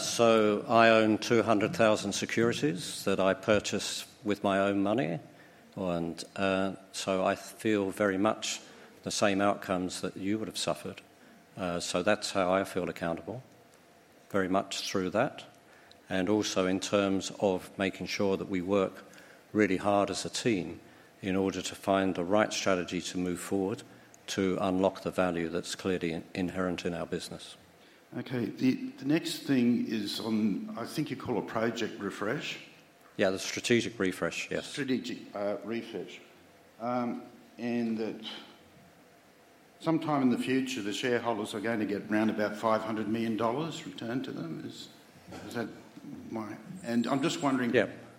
So I own 200,000 securities that I purchased with my own money, and so I feel very much the same outcomes that you would have suffered. So that's how I feel accountable, very much through that, and also in terms of making sure that we work really hard as a team in order to find the right strategy to move forward to unlock the value that's clearly inherent in our business. Okay. The next thing is on, I think you call it strategy refresh. Yeah, the strategic refresh, yes. Strategic refresh and that sometime in the future, the shareholders are going to get round about 500 million dollars returned to them. Is that right? And I'm just wondering,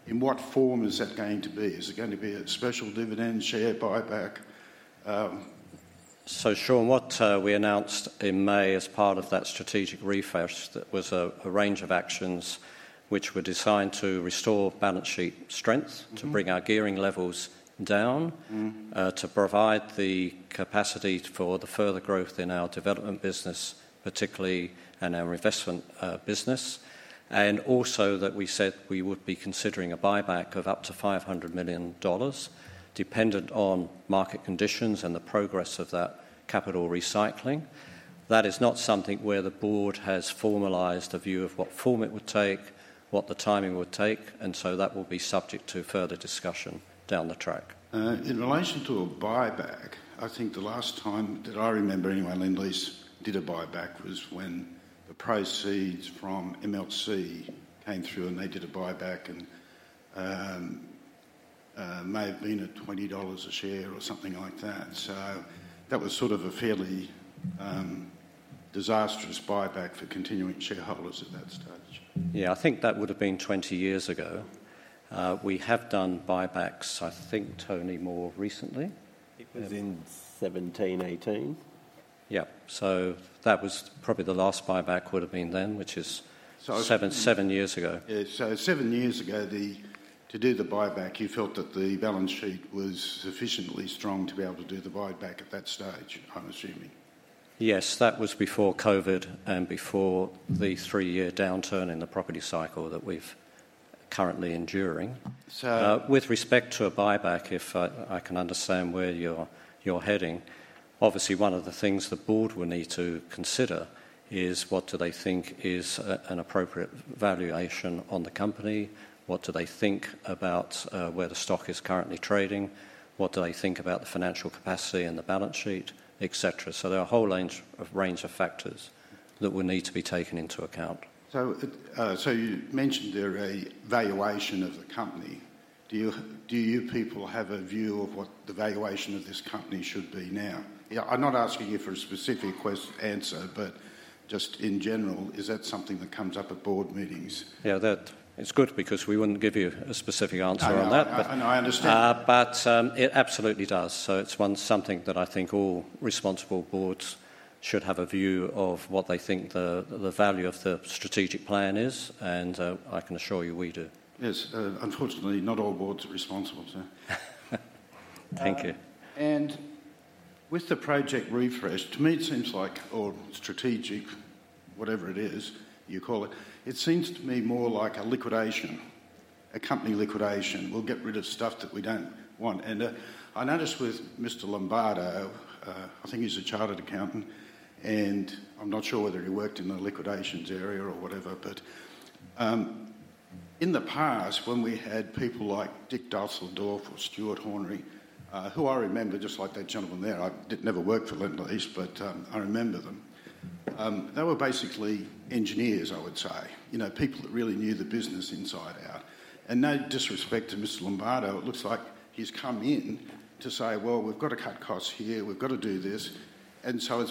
in what form is that going to be? Is it going to be a special dividend, share buyback? So Sean, what we announced in May as part of that strategic refresh, that was a range of actions which were designed to restore balance sheet strength, to bring our gearing levels down, to provide the capacity for the further growth in our development business, particularly in our investment business, and also that we said we would be considering a buyback of up to 500 million dollars, dependent on market conditions and the progress of that capital recycling. That is not something where the Board has formalized a view of what form it would take, what the timing would take, and so that will be subject to further discussion down the track. In relation to a buyback, I think the last time that I remember anyway, Lendlease did a buyback was when the proceeds from MLC came through and they did a buyback, and it may have been at $20 a share or something like that. So that was sort of a fairly disastrous buyback for continuing shareholders at that stage. Yeah, I think that would have been 20 years ago. We have done buybacks, I think, Tony, more recently. It was in 2017, 2018. Yeah, so that was probably the last buyback would have been then, which is seven years ago. Yeah, so seven years ago, to do the buyback, you felt that the balance sheet was sufficiently strong to be able to do the buyback at that stage, I'm assuming. Yes, that was before COVID and before the three-year downturn in the property cycle that we're currently enduring. With respect to a buyback, if I can understand where you're heading, obviously one of the things the Board will need to consider is what do they think is an appropriate valuation on the company, what do they think about where the stock is currently trading, what do they think about the financial capacity and the balance sheet, etc. So there are a whole range of factors that will need to be taken into account. So you mentioned there, a valuation of the company. Do you people have a view of what the valuation of this company should be now? I'm not asking you for a specific answer, but just in general, is that something that comes up at Board meetings? Yeah, that is good because we wouldn't give you a specific answer on that, but. I understand. But it absolutely does. So it's something that I think all responsible boards should have a view of what they think the value of the strategic plan is, and I can assure you we do. Yes, unfortunately, not all Boards are responsible. Thank you. With the strategy refresh, to me, it seems like all strategic, whatever it is you call it. It seems to me more like a liquidation, a company liquidation. We'll get rid of stuff that we don't want. I noticed with Mr. Lombardo, I think he's a chartered accountant, and I'm not sure whether he worked in the liquidations area or whatever. But in the past, when we had people like Dick Dusseldorp or Stuart Hornery, who I remember just like that gentleman there, I didn't ever work for Lendlease, but I remember them. They were basically engineers, I would say, people that really knew the business inside out. No disrespect to Mr. Lombardo, it looks like he's come in to say, "Well, we've got to cut costs here. We've got to do this." And so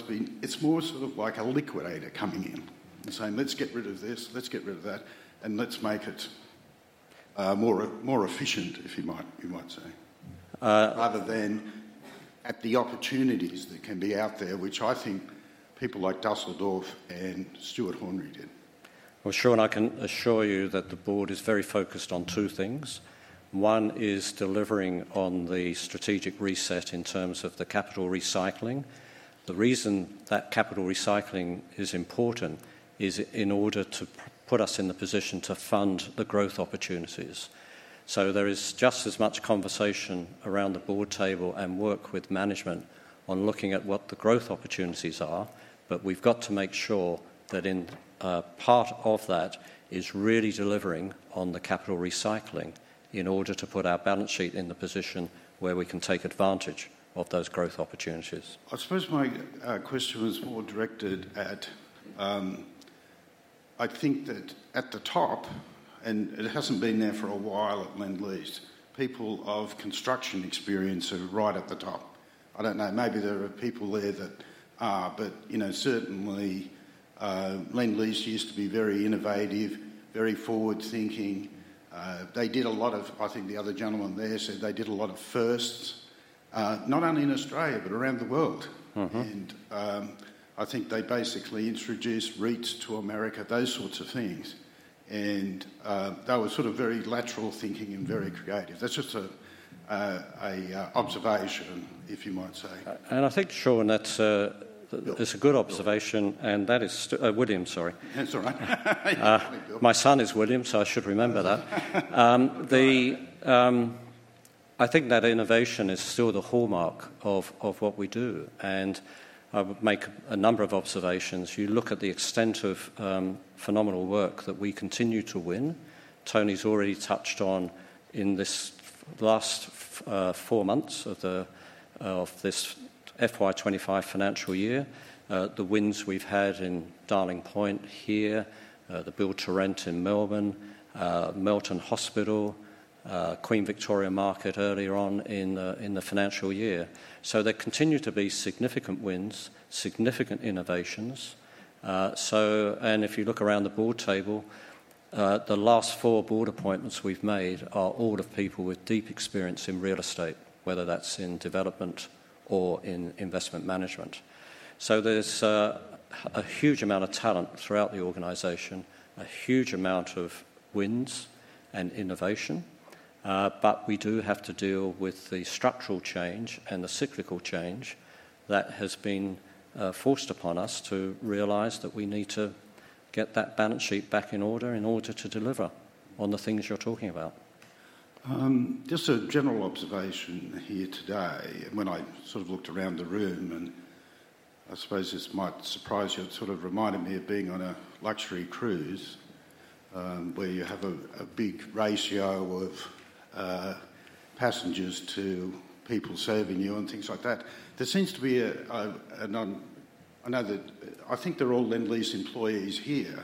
it's more sort of like a liquidator coming in and saying, "Let's get rid of this. Let's get rid of that, and let's make it more efficient," if you might say, rather than at the opportunities that can be out there, which I think people like Dusseldorp and Stuart Hornery did. Sean, I can assure you that the Board is very focused on two things. One is delivering on the strategic reset in terms of the capital recycling. The reason that capital recycling is important is in order to put us in the position to fund the growth opportunities. So there is just as much conversation around the board table and work with management on looking at what the growth opportunities are, but we've got to make sure that part of that is really delivering on the capital recycling in order to put our balance sheet in the position where we can take advantage of those growth opportunities. I suppose my question was more directed at, I think that at the top, and it hasn't been there for a while at Lendlease, people of construction experience are right at the top. I don't know. Maybe there are people there that are, but certainly Lendlease used to be very innovative, very forward-thinking. They did a lot of, I think the other gentleman there said they did a lot of firsts, not only in Australia but around the world, and I think they basically introduced REITs to America, those sorts of things, and they were sort of very lateral thinking and very creative. That's just an observation, if you might say. I think, Sean, that's a good observation, and that is William, sorry. That's all right. My son is William, so I should remember that. I think that innovation is still the hallmark of what we do, and I would make a number of observations. You look at the extent of phenomenal work that we continue to win. Tony's already touched on in this last four months of this FY25 financial year, the wins we've had in Darling Point here, the build-to-rent in Melbourne, Melton Hospital, Queen Victoria Market earlier on in the financial year. So there continue to be significant wins, significant innovations. And if you look around the board table, the last four board appointments we've made are all of people with deep experience in real estate, whether that's in development or in investment management. There's a huge amount of talent throughout the organization, a huge amount of wins and innovation, but we do have to deal with the structural change and the cyclical change that has been forced upon us to realize that we need to get that balance sheet back in order to deliver on the things you're talking about. Just a general observation here today, when I sort of looked around the room, and I suppose this might surprise you, it sort of reminded me of being on a luxury cruise where you have a big ratio of passengers to people serving you and things like that. There seems to be a non. I think they're all Lendlease employees here,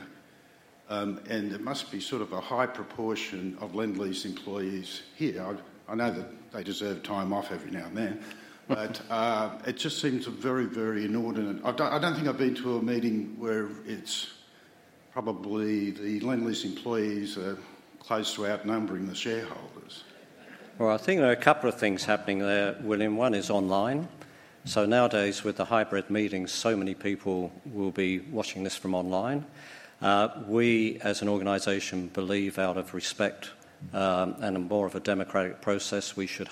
and there must be sort of a high proportion of Lendlease employees here. I know that they deserve time off every now and then, but it just seems very, very inordinate. I don't think I've been to a meeting where it's probably the Lendlease employees are close to outnumbering the shareholders. I think there are a couple of things happening there, William. One is online. So nowadays, with the hybrid meetings, so many people will be watching this from online. We, as an organization, believe out of respect and more of a democratic process, we should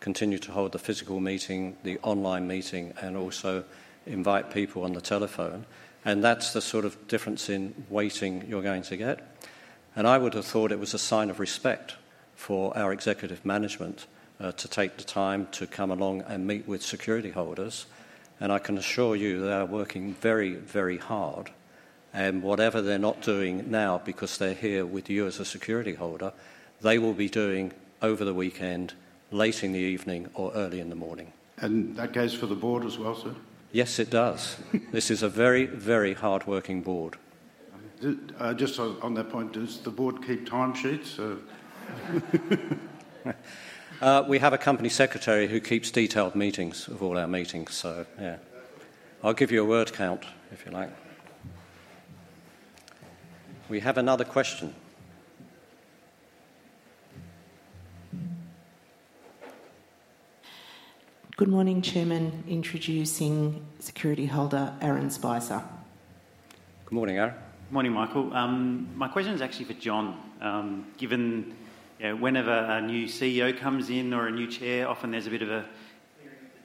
continue to hold the physical meeting, the online meeting, and also invite people on the telephone. That's the sort of difference in waiting you're going to get. I would have thought it was a sign of respect for our executive management to take the time to come along and meet with security holders. I can assure you they are working very, very hard. Whatever they're not doing now because they're here with you as a security holder, they will be doing over the weekend, late in the evening or early in the morning. That goes for the Board as well, sir? Yes, it does. This is a very, very hardworking Board. Just on that point, does the Board keep time sheets? We have a company secretary who keeps detailed meetings of all our meetings, so yeah. I'll give you a word count if you like. We have another question. Good morning, Chairman. Introducing security holder Aaron Spicer. Good morning, Aaron. Good morning, Michael. My question is actually for John. Given whenever a new CEO comes in or a new chair, often there's a bit of a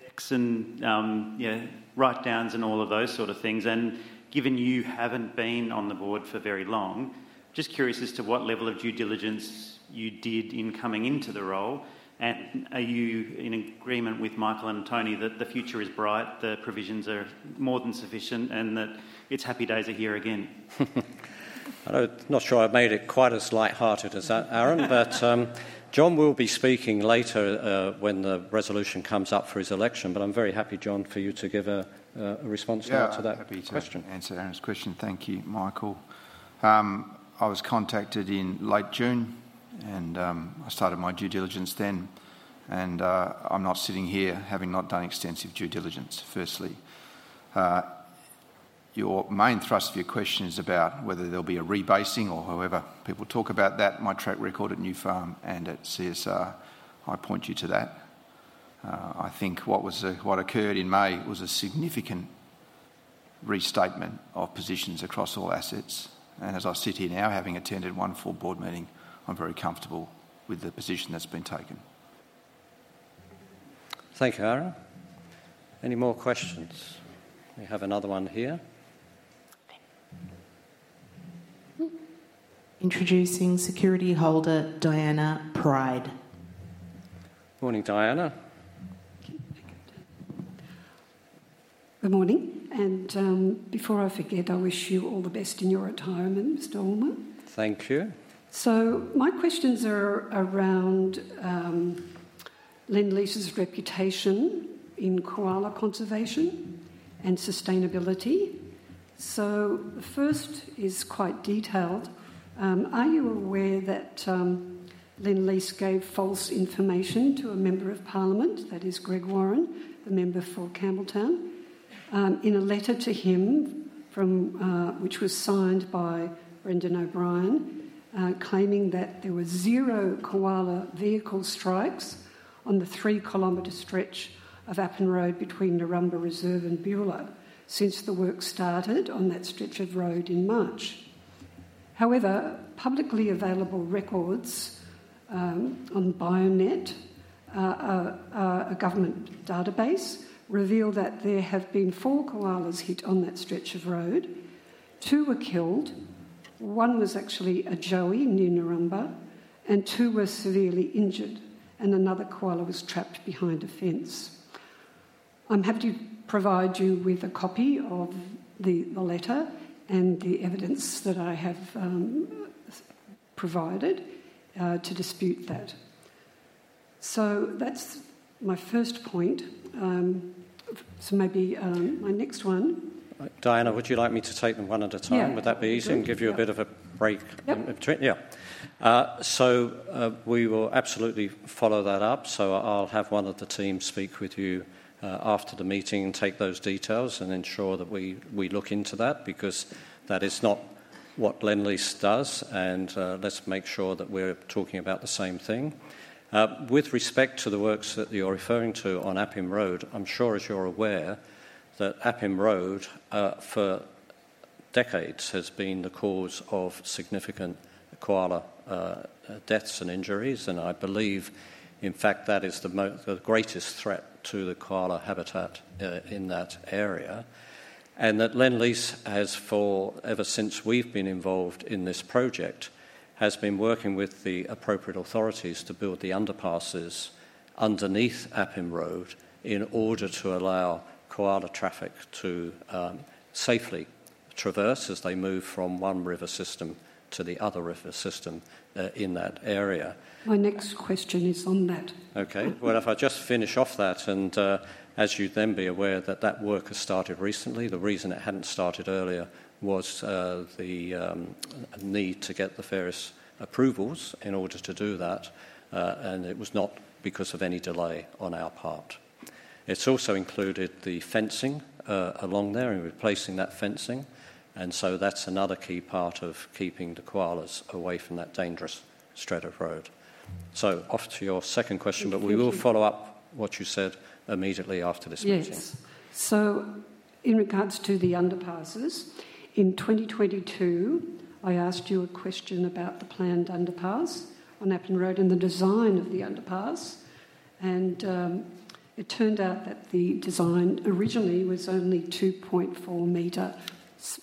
fix and write-downs and all of those sort of things. And given you haven't been on the Board for very long, just curious as to what level of due diligence you did in coming into the role. And are you in agreement with Michael and Tony that the future is bright, the provisions are more than sufficient, and that it's happy days are here again? I'm not sure I've made it quite as lighthearted as Aaron, but John will be speaking later when the resolution comes up for his election. But I'm very happy, John, for you to give a response to that question. Yeah, happy to answer Aaron's question. Thank you, Michael. I was contacted in late June, and I started my due diligence then, and I'm not sitting here having not done extensive due diligence, firstly. Your main thrust of your question is about whether there'll be a rebasing or however. People talk about that, my track record at Nufarm at CSR. I point you to that. I think what occurred in May was a significant restatement of positions across all assets, and as I sit here now, having attended one full Board meeting, I'm very comfortable with the position that's been taken. Thank you, Aaron. Any more questions? We have another one here. Introducing security holder Diana Pride. Good morning, Diana. Good morning, and before I forget, I wish you all the best in your retirement, Mr. Ullmer. Thank you. So my questions are around Lendlease's reputation in koala conservation and sustainability. So the first is quite detailed. Are you aware that Lendlease gave false information to a member of Parliament, that is Greg Warren, the member for Campbelltown, in a letter to him which was signed by Brendan O'Brien, claiming that there were zero koala vehicle strikes on the three-kilometer stretch of Appin Road between Noorumba Reserve and Beulah since the work started on that stretch of road in March? However, publicly available records on BioNet, a government database, reveal that there have been four koalas hit on that stretch of road. Two were killed. One was actually a joey near Noorumba, and two were severely injured, and another koala was trapped behind a fence. I'm happy to provide you with a copy of the letter and the evidence that I have provided to dispute that. So that's my first point. So maybe my next one. Diana, would you like me to take them one at a time? Yeah. Would that be easier and give you a bit of a break between? Yeah. Yeah. So we will absolutely follow that up. So I'll have one of the team speak with you after the meeting and take those details and ensure that we look into that because that is not what Lendlease does, and let's make sure that we're talking about the same thing. With respect to the works that you're referring to on Appin Road, I'm sure, as you're aware, that Appin Road for decades has been the cause of significant koala deaths and injuries, and I believe, in fact, that is the greatest threat to the koala habitat in that area. And that Lendlease, ever since we've been involved in this project, has been working with the appropriate authorities to build the underpasses underneath Appin Road in order to allow koala traffic to safely traverse as they move from one river system to the other river system in that area. My next question is on that. Okay. Well, if I just finish off that, and as you'd then be aware that that work has started recently, the reason it hadn't started earlier was the need to get the various approvals in order to do that, and it was not because of any delay on our part. It's also included the fencing along there and replacing that fencing. And so that's another key part of keeping the koalas away from that dangerous stretch of road. So on to your second question, but we will follow up what you said immediately after this meeting. Yes. So in regards to the underpasses, in 2022, I asked you a question about the planned underpass on Appin Road and the design of the underpass. And it turned out that the design originally was only 2.4 m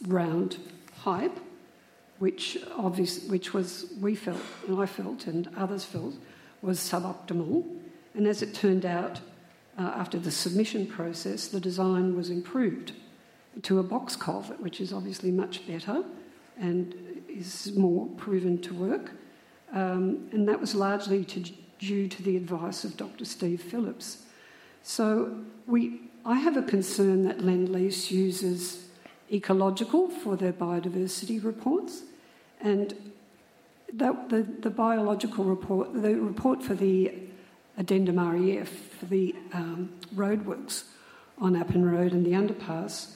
round pipe, which we felt, and I felt, and others felt, was suboptimal. And as it turned out after the submission process, the design was improved to a box culvert, which is obviously much better and is more proven to work. And that was largely due to the advice of Dr. Steve Phillips. So I have a concern that Lendlease uses Eco Logical for their biodiversity reports. And the biodiversity report, the report for the addendum REF for the roadworks on Appin Road and the underpass,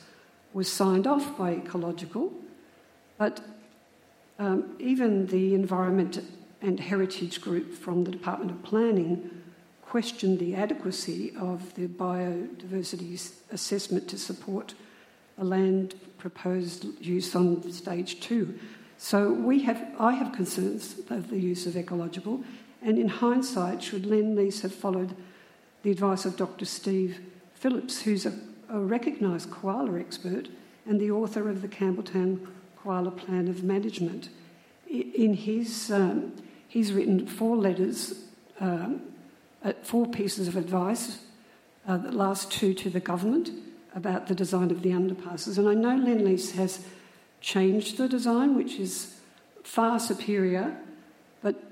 was signed off by Eco Logical. But even the Environment and Heritage Group from the Department of Planning questioned the adequacy of the biodiversity assessment to support the land proposed use on stage two. So I have concerns of the use of Eco Logical. And in hindsight, should Lendlease have followed the advice of Dr. Steve Phillips, who's a recognized koala expert and the author of the Campbelltown Koala Plan of Management? He's written four pieces of advice, the last two to the government, about the design of the underpasses. And I know Lendlease has changed the design, which is far superior. But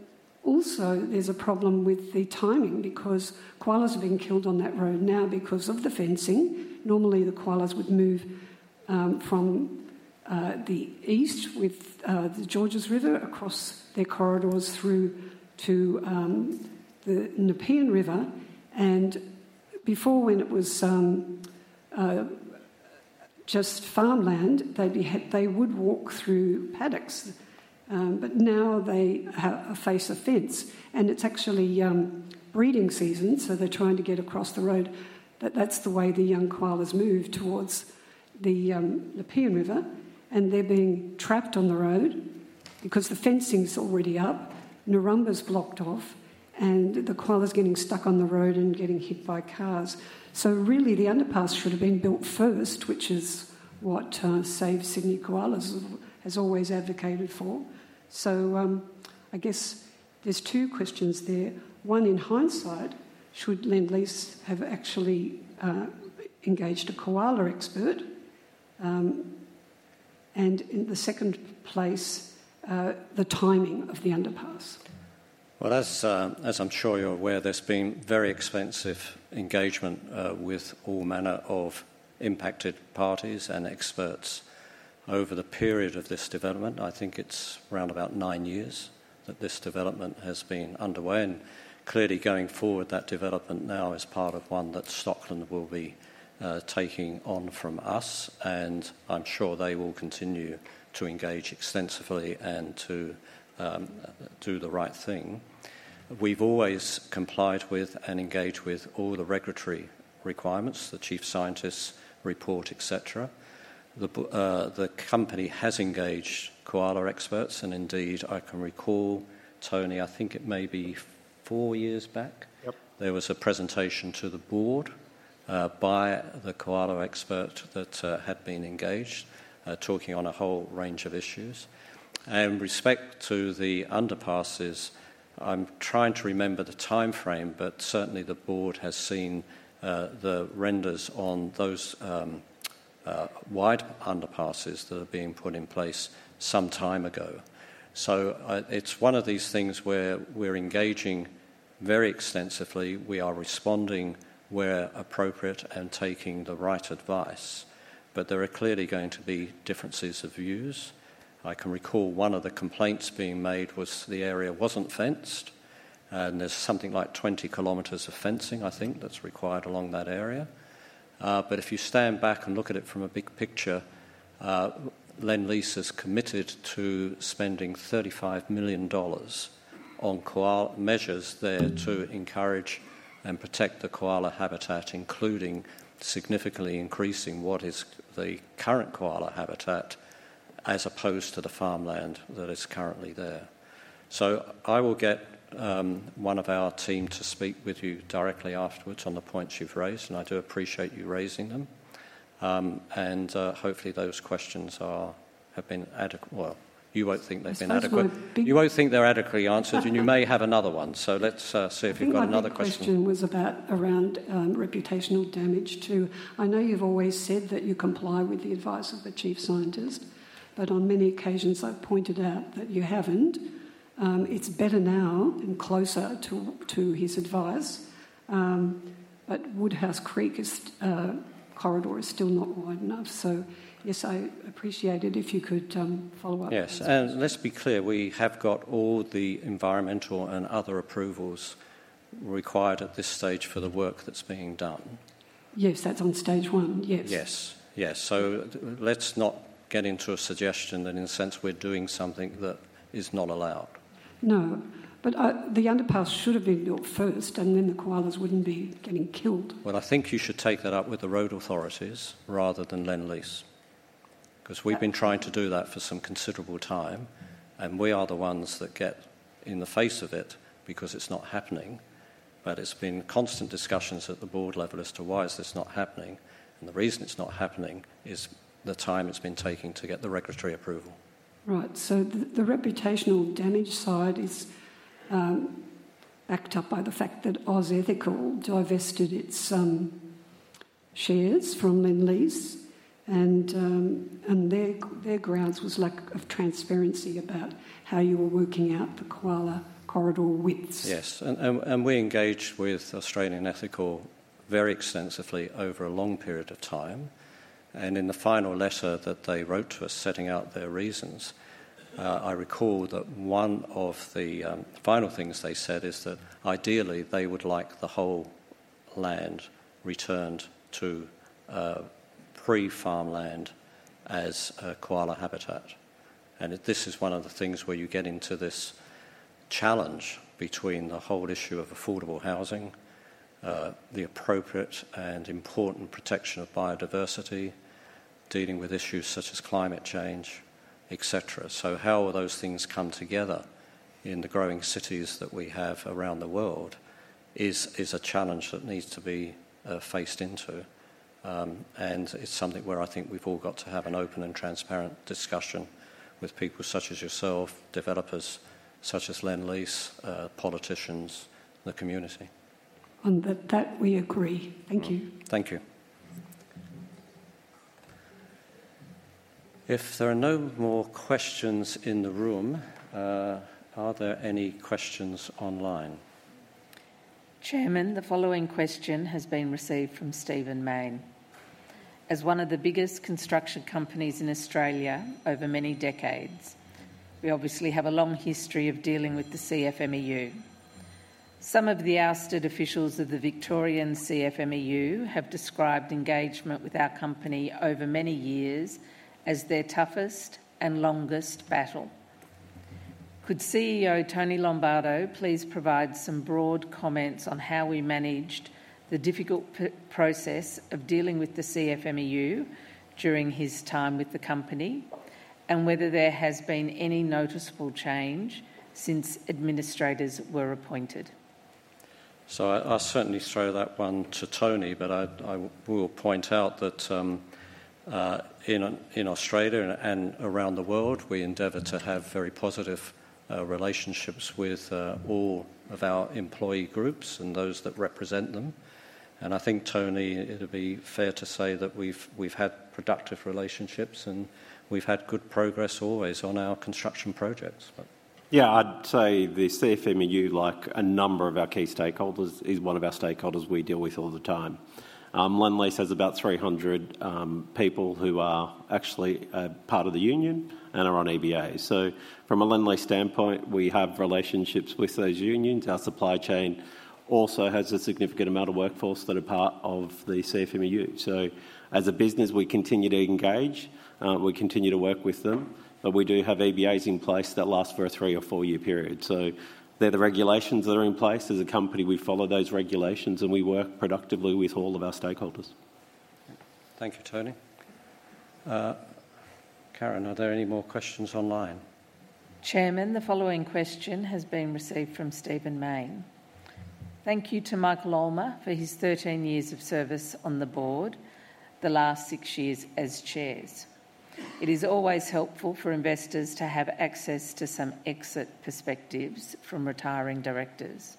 also, there's a problem with the timing because koalas are being killed on that road now because of the fencing. Normally, the koalas would move from the east with the Georges River across their corridors through to the Nepean River. And before, when it was just farmland, they would walk through paddocks. But now they face a fence. And it's actually breeding season, so they're trying to get across the road. But that's the way the young koalas move towards the Nepean River. And they're being trapped on the road because the fencing's already up. Noorumba's blocked off, and the koalas are getting stuck on the road and getting hit by cars. So really, the underpass should have been built first, which is what Save Sydney's Koalas has always advocated for. So I guess there's two questions there. One, in hindsight, should Lendlease have actually engaged a koala expert? And in the second place, the timing of the underpass. As I'm sure you're aware, there's been very expensive engagement with all manner of impacted parties and experts over the period of this development. I think it's around about nine years that this development has been underway. Clearly, going forward, that development now is part of one that Stockland will be taking on from us. I'm sure they will continue to engage extensively and to do the right thing. We've always complied with and engaged with all the regulatory requirements, the chief scientist's report, etc. The company has engaged koala experts. Indeed, I can recall, Tony, I think it may be four years back, there was a presentation to the Board by the koala expert that had been engaged, talking on a whole range of issues. And with respect to the underpasses, I'm trying to remember the timeframe, but certainly, the Board has seen the renders on those wide underpasses that are being put in place some time ago. So it's one of these things where we're engaging very extensively. We are responding where appropriate and taking the right advice. But there are clearly going to be differences of views. I can recall one of the complaints being made was the area wasn't fenced. And there's something like 20 kilometers of fencing, I think, that's required along that area. But if you stand back and look at it from a big picture, Lendlease has committed to spending 35 million dollars on measures there to encourage and protect the koala habitat, including significantly increasing what is the current koala habitat as opposed to the farmland that is currently there. So I will get one of our team to speak with you directly afterwards on the points you've raised, and I do appreciate you raising them. And hopefully, those questions have been adequate. Well, you won't think they've been adequate. That's what we've been. You won't think they're adequately answered, and you may have another one. So let's see if you've got another question. My question was about reputational damage too. I know you've always said that you comply with the advice of the chief scientist, but on many occasions, I've pointed out that you haven't. It's better now and closer to his advice. But Woodhouse Creek corridor is still not wide enough. So yes, I appreciate it if you could follow up. Yes. And let's be clear. We have got all the environmental and other approvals required at this stage for the work that's being done. Yes, that's on stage one. Yes. Yes. Yes, so let's not get into a suggestion that, in a sense, we're doing something that is not allowed. No. But the underpass should have been built first, and then the koalas wouldn't be getting killed. I think you should take that up with the road authorities rather than Lendlease because we've been trying to do that for some considerable time. We are the ones that get in the face of it because it's not happening. It's been constant discussions at the Board level as to why is this not happening. The reason it's not happening is the time it's been taking to get the regulatory approval. Right. So the reputational damage side is backed up by the fact that Australian Ethical divested its shares from Lendlease. And their grounds was lack of transparency about how you were working out the koala corridor widths. Yes. And we engaged with Australian Ethical very extensively over a long period of time. And in the final letter that they wrote to us setting out their reasons, I recall that one of the final things they said is that ideally, they would like the whole land returned to pre-farmland as koala habitat. And this is one of the things where you get into this challenge between the whole issue of affordable housing, the appropriate and important protection of biodiversity, dealing with issues such as climate change, etc. So how will those things come together in the growing cities that we have around the world is a challenge that needs to be faced into. And it's something where I think we've all got to have an open and transparent discussion with people such as yourself, developers such as Lendlease, politicians, the community. On that, we agree. Thank you. Thank you. If there are no more questions in the room, are there any questions online? Chairman, the following question has been received from Stephen Mayne. As one of the biggest construction companies in Australia over many decades, we obviously have a long history of dealing with the CFMEU. Some of the ousted officials of the Victorian CFMEU have described engagement with our company over many years as their toughest and longest battle. Could CEO Tony Lombardo please provide some broad comments on how we managed the difficult process of dealing with the CFMEU during his time with the company, and whether there has been any noticeable change since administrators were appointed? So I'll certainly throw that one to Tony, but I will point out that in Australia and around the world, we endeavor to have very positive relationships with all of our employee groups and those that represent them. And I think, Tony, it'd be fair to say that we've had productive relationships, and we've had good progress always on our construction projects. Yeah. I'd say the CFMEU, like a number of our key stakeholders, is one of our stakeholders we deal with all the time. Lendlease has about 300 people who are actually part of the union and are on EBA. So from a Lendlease standpoint, we have relationships with those unions. Our supply chain also has a significant amount of workforce that are part of the CFMEU. So as a business, we continue to engage. We continue to work with them. But we do have EBAs in place that last for a three or four-year period. So they're the regulations that are in place. As a company, we follow those regulations, and we work productively with all of our stakeholders. Thank you, Tony. Karen, are there any more questions online? Chairman, the following question has been received from Stephen Mayne. Thank you to Michael Ullmer for his 13 years of service on the Board, the last six years as Chair. It is always helpful for investors to have access to some exit perspectives from retiring directors.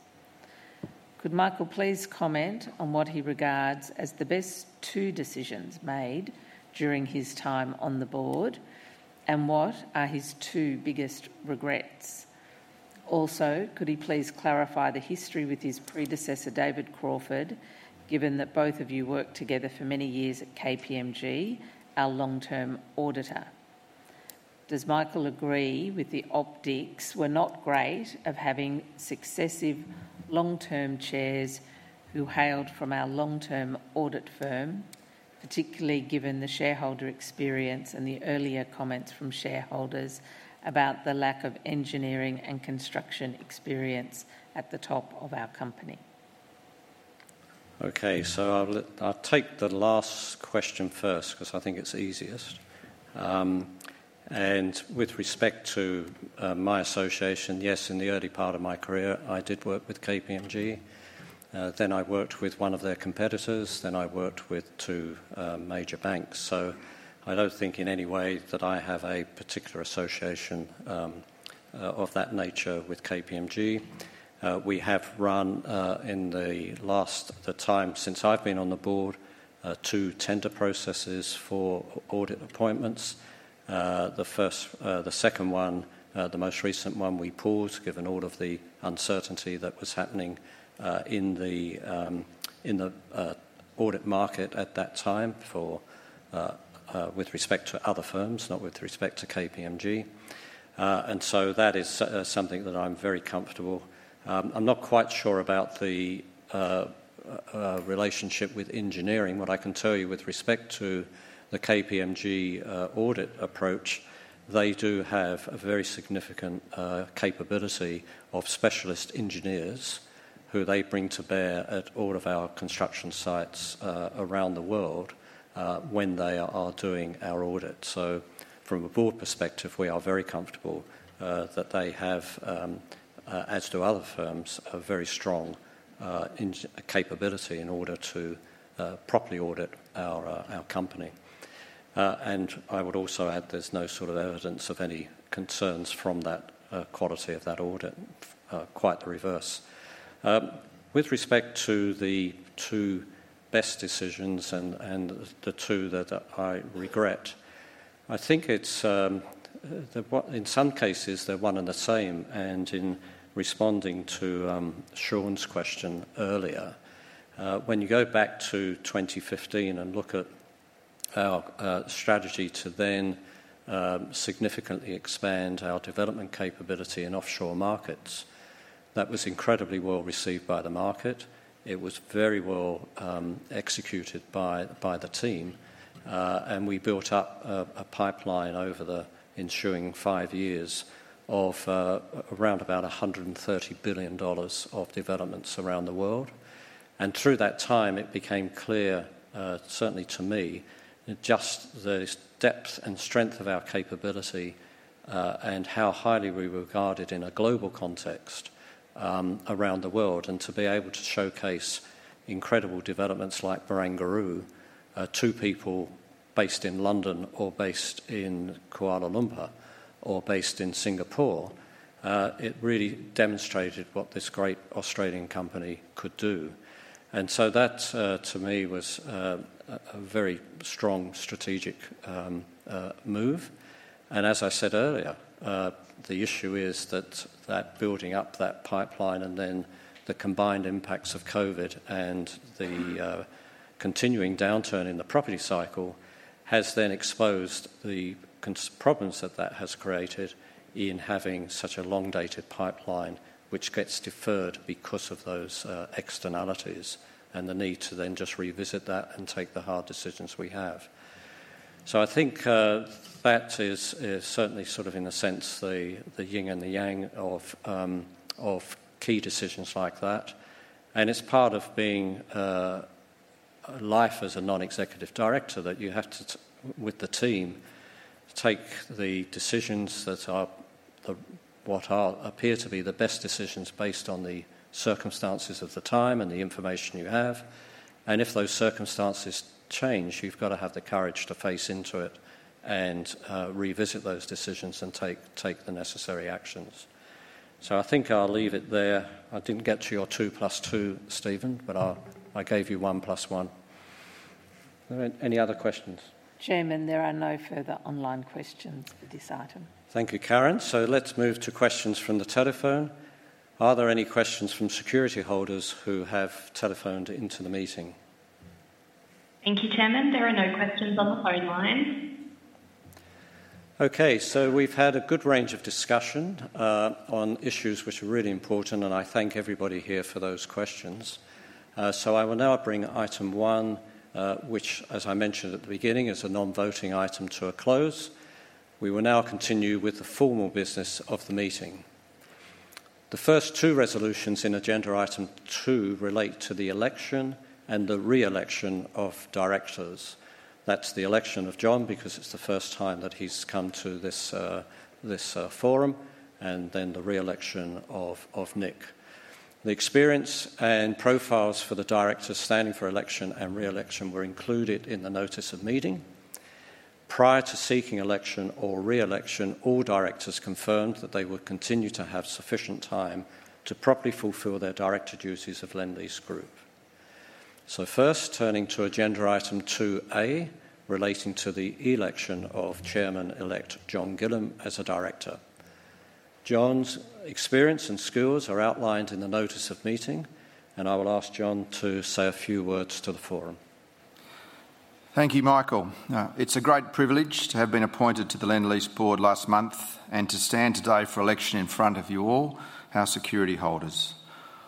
Could Michael please comment on what he regards as the best two decisions made during his time on the Board, and what are his two biggest regrets? Also, could he please clarify the history with his predecessor, David Crawford, given that both of you worked together for many years at KPMG, our long-term auditor? Does Michael agree with the optics were not great of having successive long-term chairs who hailed from our long-term audit firm, particularly given the shareholder experience and the earlier comments from shareholders about the lack of engineering and construction experience at the top of our company? Okay. So I'll take the last question first because I think it's easiest. And with respect to my association, yes, in the early part of my career, I did work with KPMG. Then I worked with one of their competitors. Then I worked with two major banks. So I don't think in any way that I have a particular association of that nature with KPMG. We have run in the last time since I've been on the Board two tender processes for audit appointments. The second one, the most recent one, we paused given all of the uncertainty that was happening in the audit market at that time with respect to other firms, not with respect to KPMG. And so that is something that I'm very comfortable. I'm not quite sure about the relationship with engineering. What I can tell you with respect to the KPMG audit approach, they do have a very significant capability of specialist engineers who they bring to bear at all of our construction sites around the world when they are doing our audit. So from a Board perspective, we are very comfortable that they have, as do other firms, a very strong capability in order to properly audit our company. And I would also add there's no sort of evidence of any concerns from that quality of that audit, quite the reverse. With respect to the two best decisions and the two that I regret, I think in some cases, they're one and the same. And in responding to Sean's question earlier, when you go back to 2015 and look at our strategy to then significantly expand our development capability in offshore markets, that was incredibly well received by the market. It was very well executed by the team. And we built up a pipeline over the ensuing five years of around about $130 billion of developments around the world. And through that time, it became clear, certainly to me, just the depth and strength of our capability and how highly we regard it in a global context around the world. And to be able to showcase incredible developments like Barangaroo to people based in London or based in Kuala Lumpur or based in Singapore, it really demonstrated what this great Australian company could do. And so that, to me, was a very strong strategic move. And as I said earlier, the issue is that building up that pipeline and then the combined impacts of COVID and the continuing downturn in the property cycle has then exposed the problems that that has created in having such a long-dated pipeline, which gets deferred because of those externalities and the need to then just revisit that and take the hard decisions we have. So I think that is certainly sort of, in a sense, the yin and the yang of key decisions like that. And it's part of life as a non-executive director that you have to, with the team, take the decisions that appear to be the best decisions based on the circumstances of the time and the information you have. And if those circumstances change, you've got to have the courage to face into it and revisit those decisions and take the necessary actions. So I think I'll leave it there. I didn't get to your two plus two, Stephen, but I gave you one plus one. Any other questions? Chairman, there are no further online questions for this item. Thank you, Karen. So let's move to questions from the telephone. Are there any questions from security holders who have telephoned into the meeting? Thank you, Chairman. There are no questions on the phone line. Okay. So we've had a good range of discussion on issues which are really important, and I thank everybody here for those questions. So I will now bring item one, which, as I mentioned at the beginning, is a non-voting item to a close. We will now continue with the formal business of the meeting. The first two resolutions in agenda item two relate to the election and the re-election of directors. That's the election of John because it's the first time that he's come to this forum, and then the re-election of Nick. The experience and profiles for the directors standing for election and re-election were included in the notice of meeting. Prior to seeking election or re-election, all directors confirmed that they would continue to have sufficient time to properly fulfill their director duties of Lendlease Group. So first, turning to agenda item 2A relating to the election of Chairman-Elect John Gillam as a director. John's experience and skills are outlined in the notice of meeting, and I will ask John to say a few words to the forum. Thank you, Michael. It's a great privilege to have been appointed to the Lendlease Board last month and to stand today for election in front of you all, our security holders.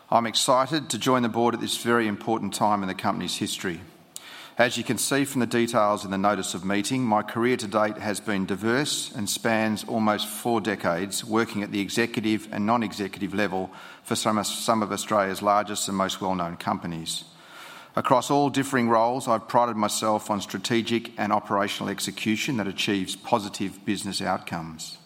I'm excited to join the Board at this very important time in the company's history. As you can see from the details in the notice of meeting, my career to date has been diverse and spans almost four decades working at the executive and non-executive level for some of Australia's largest and most well-known companies. Across all differing roles, I've prided myself on strategic and operational execution that achieves positive business outcomes.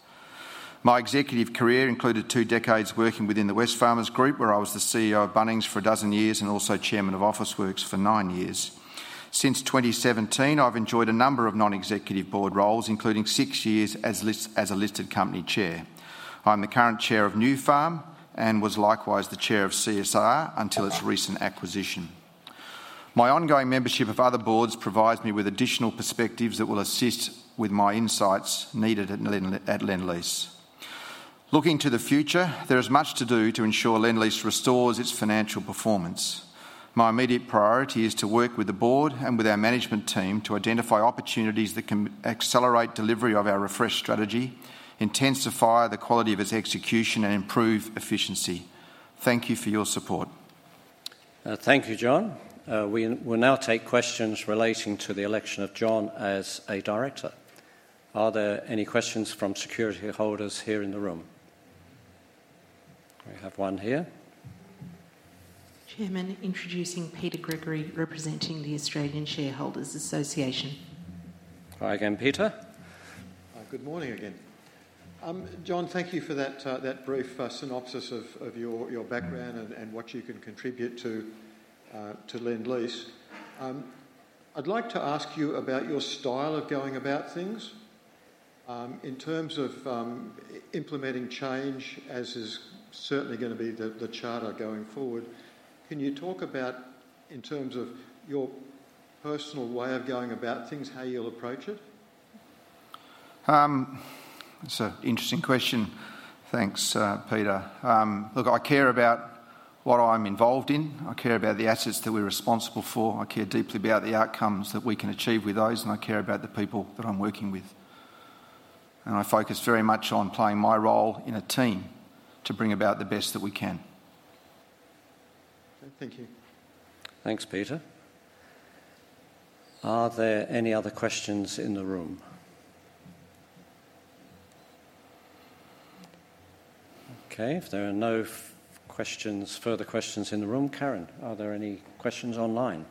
My executive career included two decades working within the Wesfarmers Group, where I was the CEO of Bunnings for a dozen years and also Chairman of Officeworks for nine years. Since 2017, I've enjoyed a number of non-executive Board roles, including six years as a listed company chair. I'm the current chair of Nufarm and was likewise the chair of CSR until its recent acquisition. My ongoing membership of other Boards provides me with additional perspectives that will assist with my insights needed at Lendlease. Looking to the future, there is much to do to ensure Lendlease restores its financial performance. My immediate priority is to work with the Board and with our management team to identify opportunities that can accelerate delivery of our refreshed strategy, intensify the quality of its execution, and improve efficiency. Thank you for your support. Thank you, John. We will now take questions relating to the election of John as a director. Are there any questions from security holders here in the room? We have one here. Chairman, introducing Peter Gregory representing the Australian Shareholders' Association. Hi again, Peter. Good morning again. John, thank you for that brief synopsis of your background and what you can contribute to Lendlease. I'd like to ask you about your style of going about things. In terms of implementing change, as is certainly going to be the charter going forward, can you talk about, in terms of your personal way of going about things, how you'll approach it? That's an interesting question. Thanks, Peter. Look, I care about what I'm involved in. I care about the assets that we're responsible for. I care deeply about the outcomes that we can achieve with those, and I care about the people that I'm working with. And I focus very much on playing my role in a team to bring about the best that we can. Thank you. Thanks, Peter. Are there any other questions in the room? Okay. If there are no further questions in the room, Karen, are there any questions online?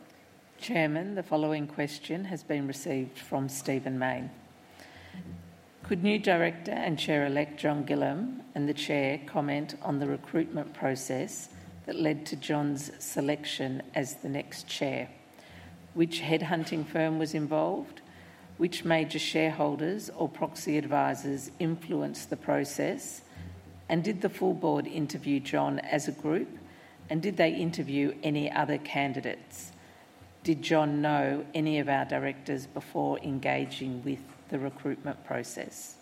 Chairman, the following question has been received from Stephen Mayne. Could new director and chair-elect John Gillam and the chair comment on the recruitment process that led to John's selection as the next chair? Which headhunting firm was involved? Which major shareholders or proxy advisors influenced the process? And did the full Board interview John as a group, and did they interview any other candidates? Did John know any of our directors before engaging with the recruitment process?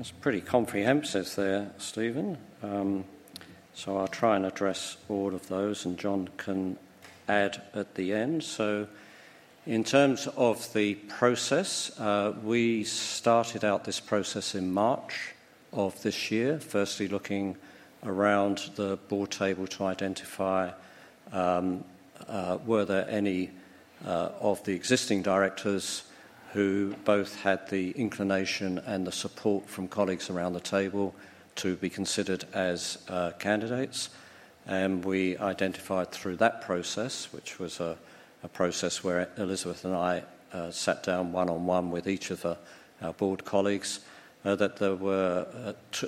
That's pretty comprehensive there, Stephen. So I'll try and address all of those, and John can add at the end. So in terms of the process, we started out this process in March of this year, firstly looking around the Board table to identify were there any of the existing directors who both had the inclination and the support from colleagues around the table to be considered as candidates. And we identified through that process, which was a process where Elizabeth and I sat down one-on-one with each of our Board colleagues, that there were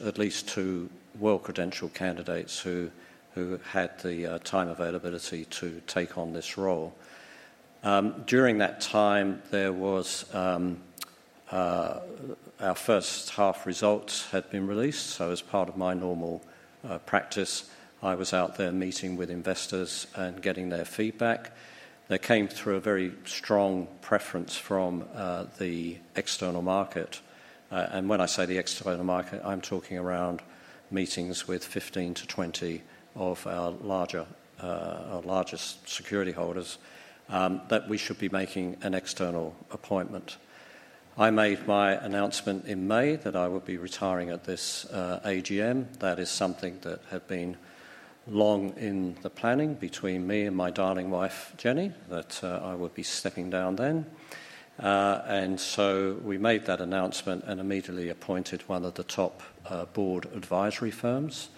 at least two well-credentialed candidates who had the time availability to take on this role. During that time, our first half results had been released. So as part of my normal practice, I was out there meeting with investors and getting their feedback. There came through a very strong preference from the external market. And when I say the external market, I'm talking around meetings with 15-20 of our largest security holders that we should be making an external appointment. I made my announcement in May that I would be retiring at this AGM. That is something that had been long in the planning between me and my darling wife, Jenny, that I would be stepping down then. And so we made that announcement and immediately appointed one of the top Board advisory firms.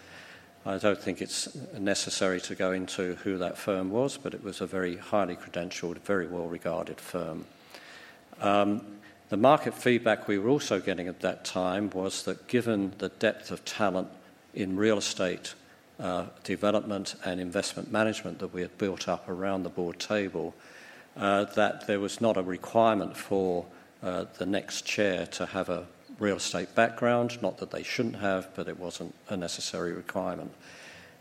I don't think it's necessary to go into who that firm was, but it was a very highly credentialed, very well-regarded firm. The market feedback we were also getting at that time was that given the depth of talent in real estate development and investment management that we had built up around the Board table, that there was not a requirement for the next chair to have a real estate background, not that they shouldn't have, but it wasn't a necessary requirement.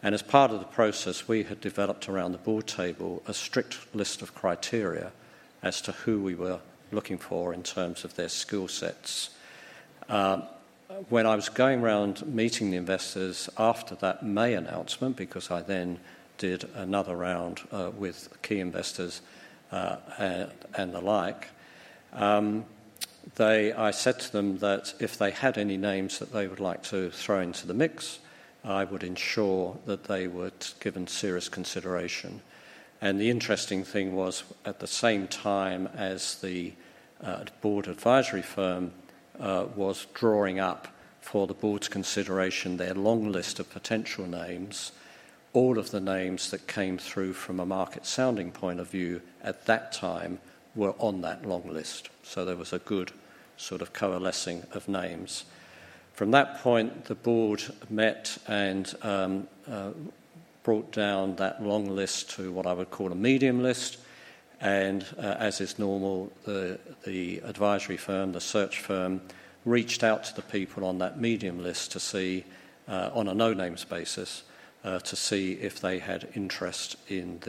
And as part of the process, we had developed around the Board table a strict list of criteria as to who we were looking for in terms of their skill sets. When I was going around meeting the investors after that May announcement, because I then did another round with key investors and the like, I said to them that if they had any names that they would like to throw into the mix, I would ensure that they were given serious consideration. And the interesting thing was, at the same time as the Board advisory firm was drawing up for the Board's consideration their long list of potential names, all of the names that came through from a market sounding point of view at that time were on that long list. So there was a good sort of coalescing of names. From that point, the Board met and brought down that long list to what I would call a medium list. And as is normal, the advisory firm, the search firm, reached out to the people on that medium list on a no-names basis to see if they had interest in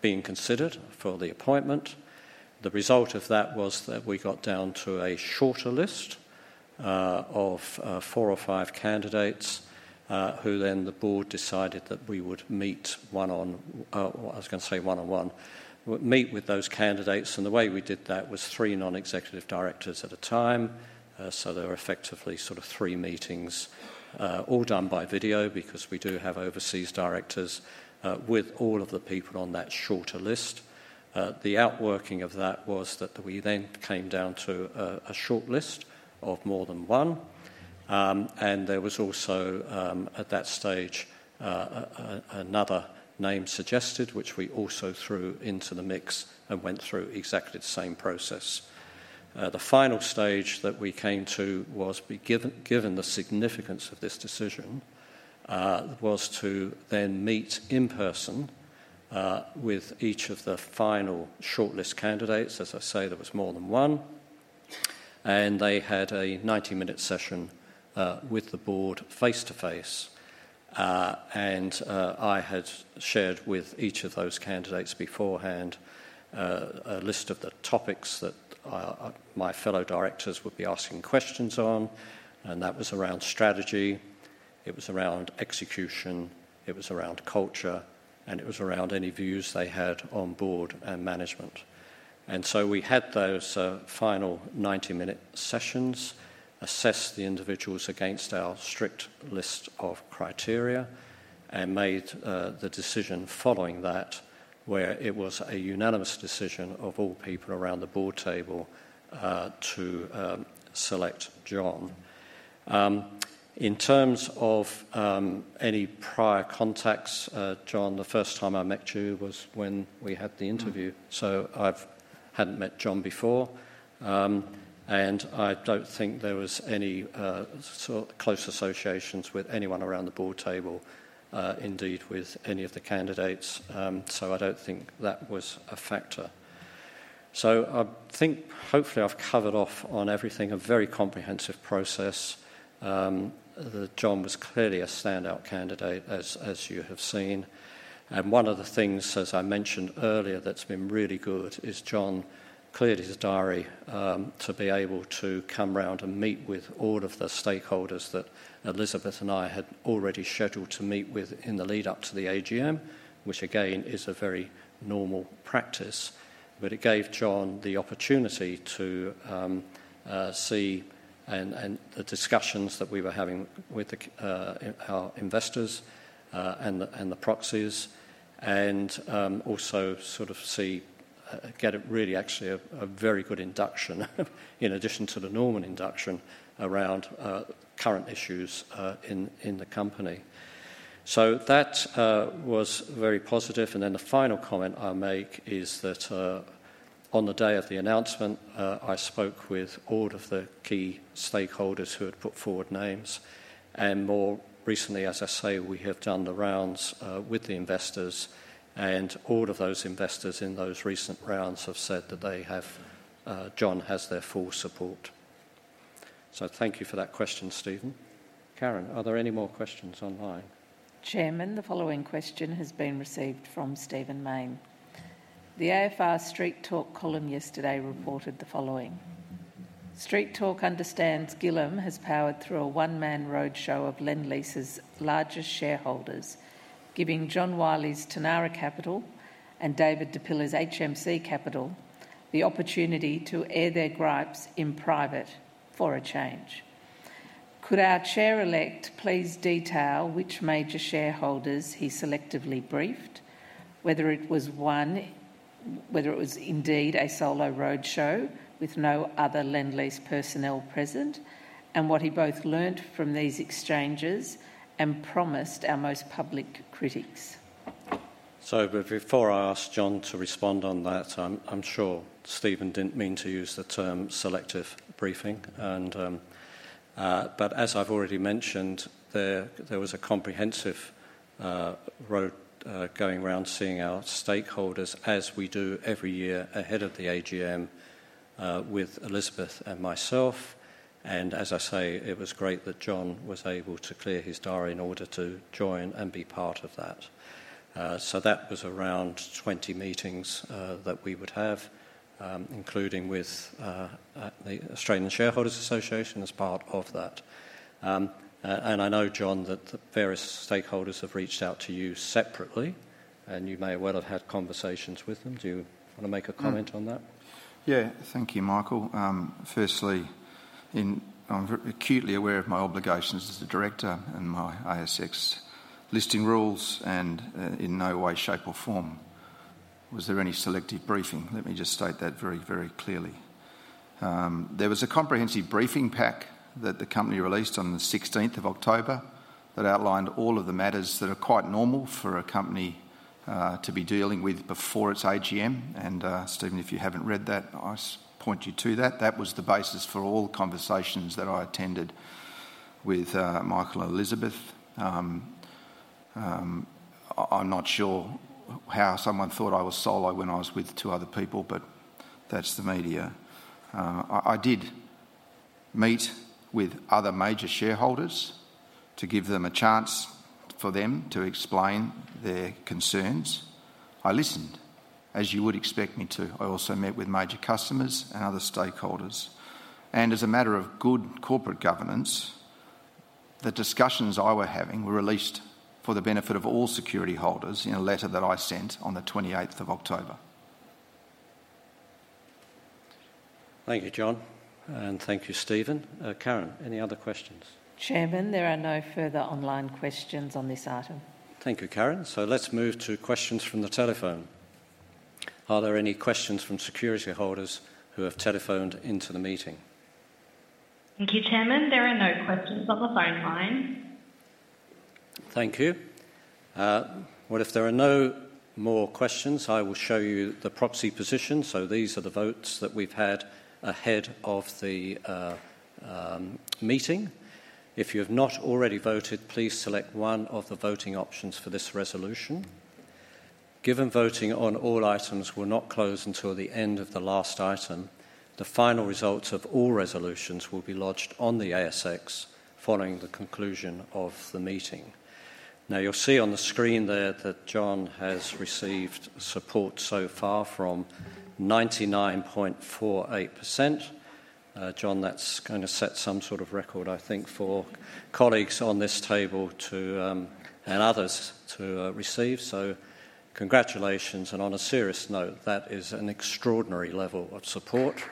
being considered for the appointment. The result of that was that we got down to a shorter list of four or five candidates who then the Board decided that we would meet one-on-one. I was going to say one-on-one. We would meet with those candidates, and the way we did that was three non-executive directors at a time, so there were effectively sort of three meetings, all done by video because we do have overseas directors with all of the people on that shorter list. The outworking of that was that we then came down to a short list of more than one, and there was also, at that stage, another name suggested, which we also threw into the mix and went through exactly the same process. The final stage that we came to was, given the significance of this decision, to then meet in person with each of the final shortlist candidates. As I say, there was more than one, and they had a 90-minute session with the Board face-to-face. And I had shared with each of those candidates beforehand a list of the topics that my fellow directors would be asking questions on. And that was around strategy. It was around execution. It was around culture. And it was around any views they had on Board and management. And so we had those final 90-minute sessions, assessed the individuals against our strict list of criteria, and made the decision following that, where it was a unanimous decision of all people around the Board table to select John. In terms of any prior contacts, John, the first time I met you was when we had the interview. So I hadn't met John before. And I don't think there was any close associations with anyone around the Board table, indeed, with any of the candidates. So I don't think that was a factor. So I think, hopefully, I've covered off on everything, a very comprehensive process. John was clearly a standout candidate, as you have seen. And one of the things, as I mentioned earlier, that's been really good is John cleared his diary to be able to come round and meet with all of the stakeholders that Elizabeth and I had already scheduled to meet with in the lead-up to the AGM, which, again, is a very normal practice. But it gave John the opportunity to see the discussions that we were having with our investors and the proxies and also sort of get really, actually, a very good induction in addition to the normal induction around current issues in the company. So that was very positive. And then the final comment I make is that on the day of the announcement, I spoke with all of the key stakeholders who had put forward names. And more recently, as I say, we have done the rounds with the investors. And all of those investors in those recent rounds have said that John has their full support. So thank you for that question, Stephen. Karen, are there any more questions online? Chairman, the following question has been received from Stephen Mayne. The AFR Street Talk column yesterday reported the following. Street Talk understands Gillam has powered through a one-man roadshow of Lendlease's largest shareholders, giving John Wylie's Tanara Capital and David Di Pilla's HMC Capital the opportunity to air their gripes in private for a change. Could our chair-elect please detail which major shareholders he selectively briefed, whether it was indeed a solo roadshow with no other Lendlease personnel present, and what he both learned from these exchanges and promised our most public critics? Before I ask John to respond on that, I'm sure Stephen didn't mean to use the term selective briefing. But as I've already mentioned, there was a comprehensive roadshow going round seeing our stakeholders, as we do every year ahead of the AGM, with Elizabeth and myself. As I say, it was great that John was able to clear his diary in order to join and be part of that. That was around 20 meetings that we would have, including with the Australian Shareholders' Association as part of that. I know, John, that various stakeholders have reached out to you separately, and you may well have had conversations with them. Do you want to make a comment on that? Yeah. Thank you, Michael. Firstly, I'm acutely aware of my obligations as a director and my ASX listing rules and in no way, shape, or form was there any selective briefing. Let me just state that very, very clearly. There was a comprehensive briefing pack that the company released on the 16th of October that outlined all of the matters that are quite normal for a company to be dealing with before its AGM. And Stephen, if you haven't read that, I point you to that. That was the basis for all conversations that I attended with Michael and Elizabeth. I'm not sure how someone thought I was solo when I was with two other people, but that's the media. I did meet with other major shareholders to give them a chance for them to explain their concerns. I listened, as you would expect me to. I also met with major customers and other stakeholders, and as a matter of good corporate governance, the discussions I was having were released for the benefit of all security holders in a letter that I sent on the 28th of October. Thank you, John. And thank you, Stephen. Karen, any other questions? Chairman, there are no further online questions on this item. Thank you, Karen. So let's move to questions from the telephone. Are there any questions from security holders who have telephoned into the meeting? Thank you, Chairman. There are no questions on the phone line. Thank you. If there are no more questions, I will show you the proxy position. These are the votes that we've had ahead of the meeting. If you have not already voted, please select one of the voting options for this resolution. Given voting on all items will not close until the end of the last item, the final results of all resolutions will be lodged on the ASX following the conclusion of the meeting. Now, you'll see on the screen there that John has received support so far from 99.48%. John, that's going to set some sort of record, I think, for colleagues on this table and others to receive. Congratulations. On a serious note, that is an extraordinary level of support.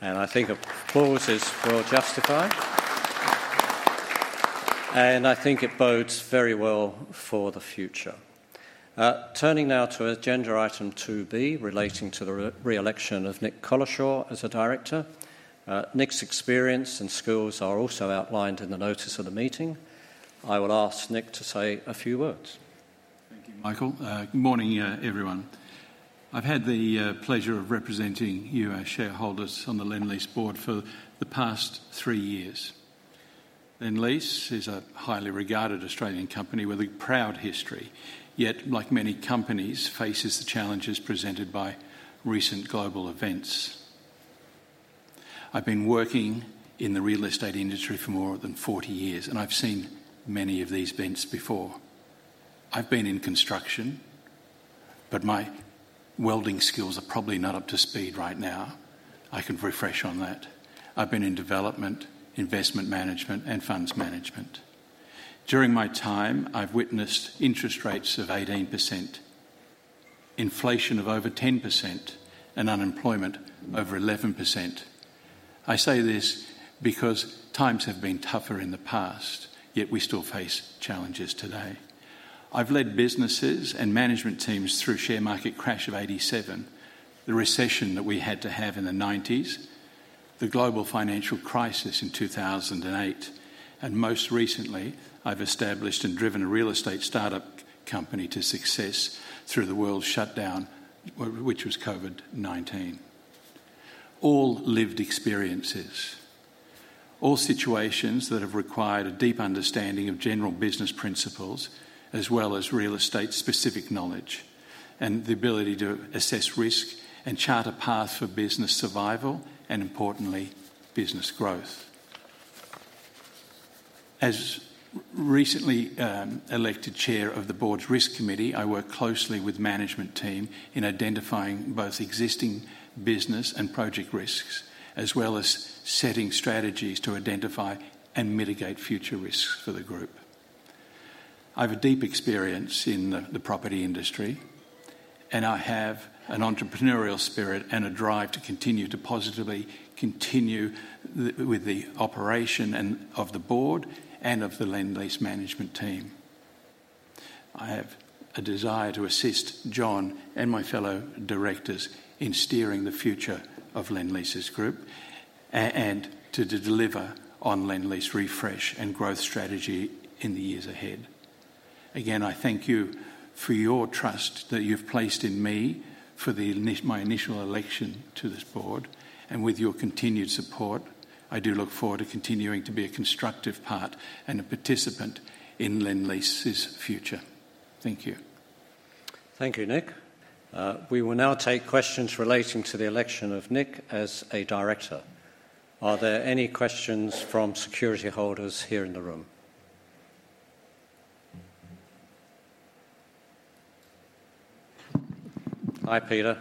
I think applause is well justified. I think it bodes very well for the future. Turning now to agenda item 2B, relating to the re-election of Nick Collishaw as a director. Nick's experience and skills are also outlined in the notice of the meeting. I will ask Nick to say a few words. Thank you, Michael. Good morning, everyone. I've had the pleasure of representing you, our shareholders on the Lendlease board for the past three years. Lendlease is a highly regarded Australian company with a proud history, yet, like many companies, faces the challenges presented by recent global events. I've been working in the real estate industry for more than 40 years, and I've seen many of these events before. I've been in construction, but my welding skills are probably not up to speed right now. I can refresh on that. I've been in development, investment management, and funds management. During my time, I've witnessed interest rates of 18%, inflation of over 10%, and unemployment over 11%. I say this because times have been tougher in the past, yet we still face challenges today. I've led businesses and management teams through share market crash of 1987, the recession that we had to have in the 1990s, the global financial crisis in 2008, and most recently, I've established and driven a real estate startup company to success through the world shutdown, which was COVID-19. All lived experiences, all situations that have required a deep understanding of general business principles as well as real estate-specific knowledge and the ability to assess risk and chart a path for business survival and, importantly, business growth. As recently elected Chair of the Board's Risk Committee, I work closely with the management team in identifying both existing business and project risks as well as setting strategies to identify and mitigate future risks for the group. I have a deep experience in the property industry, and I have an entrepreneurial spirit and a drive to continue to positively contribute to the operation of the board and of the Lendlease management team. I have a desire to assist John and my fellow directors in steering the future of Lendlease Group and to deliver on Lendlease refresh and growth strategy in the years ahead. Again, I thank you for your trust that you've placed in me for my initial election to this board, and with your continued support, I do look forward to continuing to be a constructive part and a participant in Lendlease's future. Thank you. Thank you, Nick. We will now take questions relating to the election of Nick as a director. Are there any questions from security holders here in the room? Hi, Peter.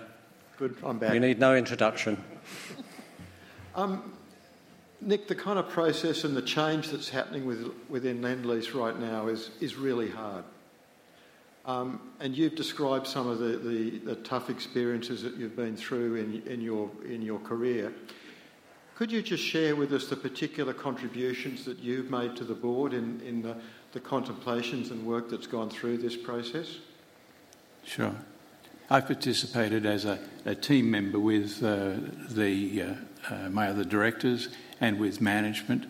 Good. I'm back. You need no introduction. Nick, the kind of process and the change that's happening within Lendlease right now is really hard, and you've described some of the tough experiences that you've been through in your career. Could you just share with us the particular contributions that you've made to the board in the contemplations and work that's gone through this process? Sure. I've participated as a team member with the majority of the directors and with management,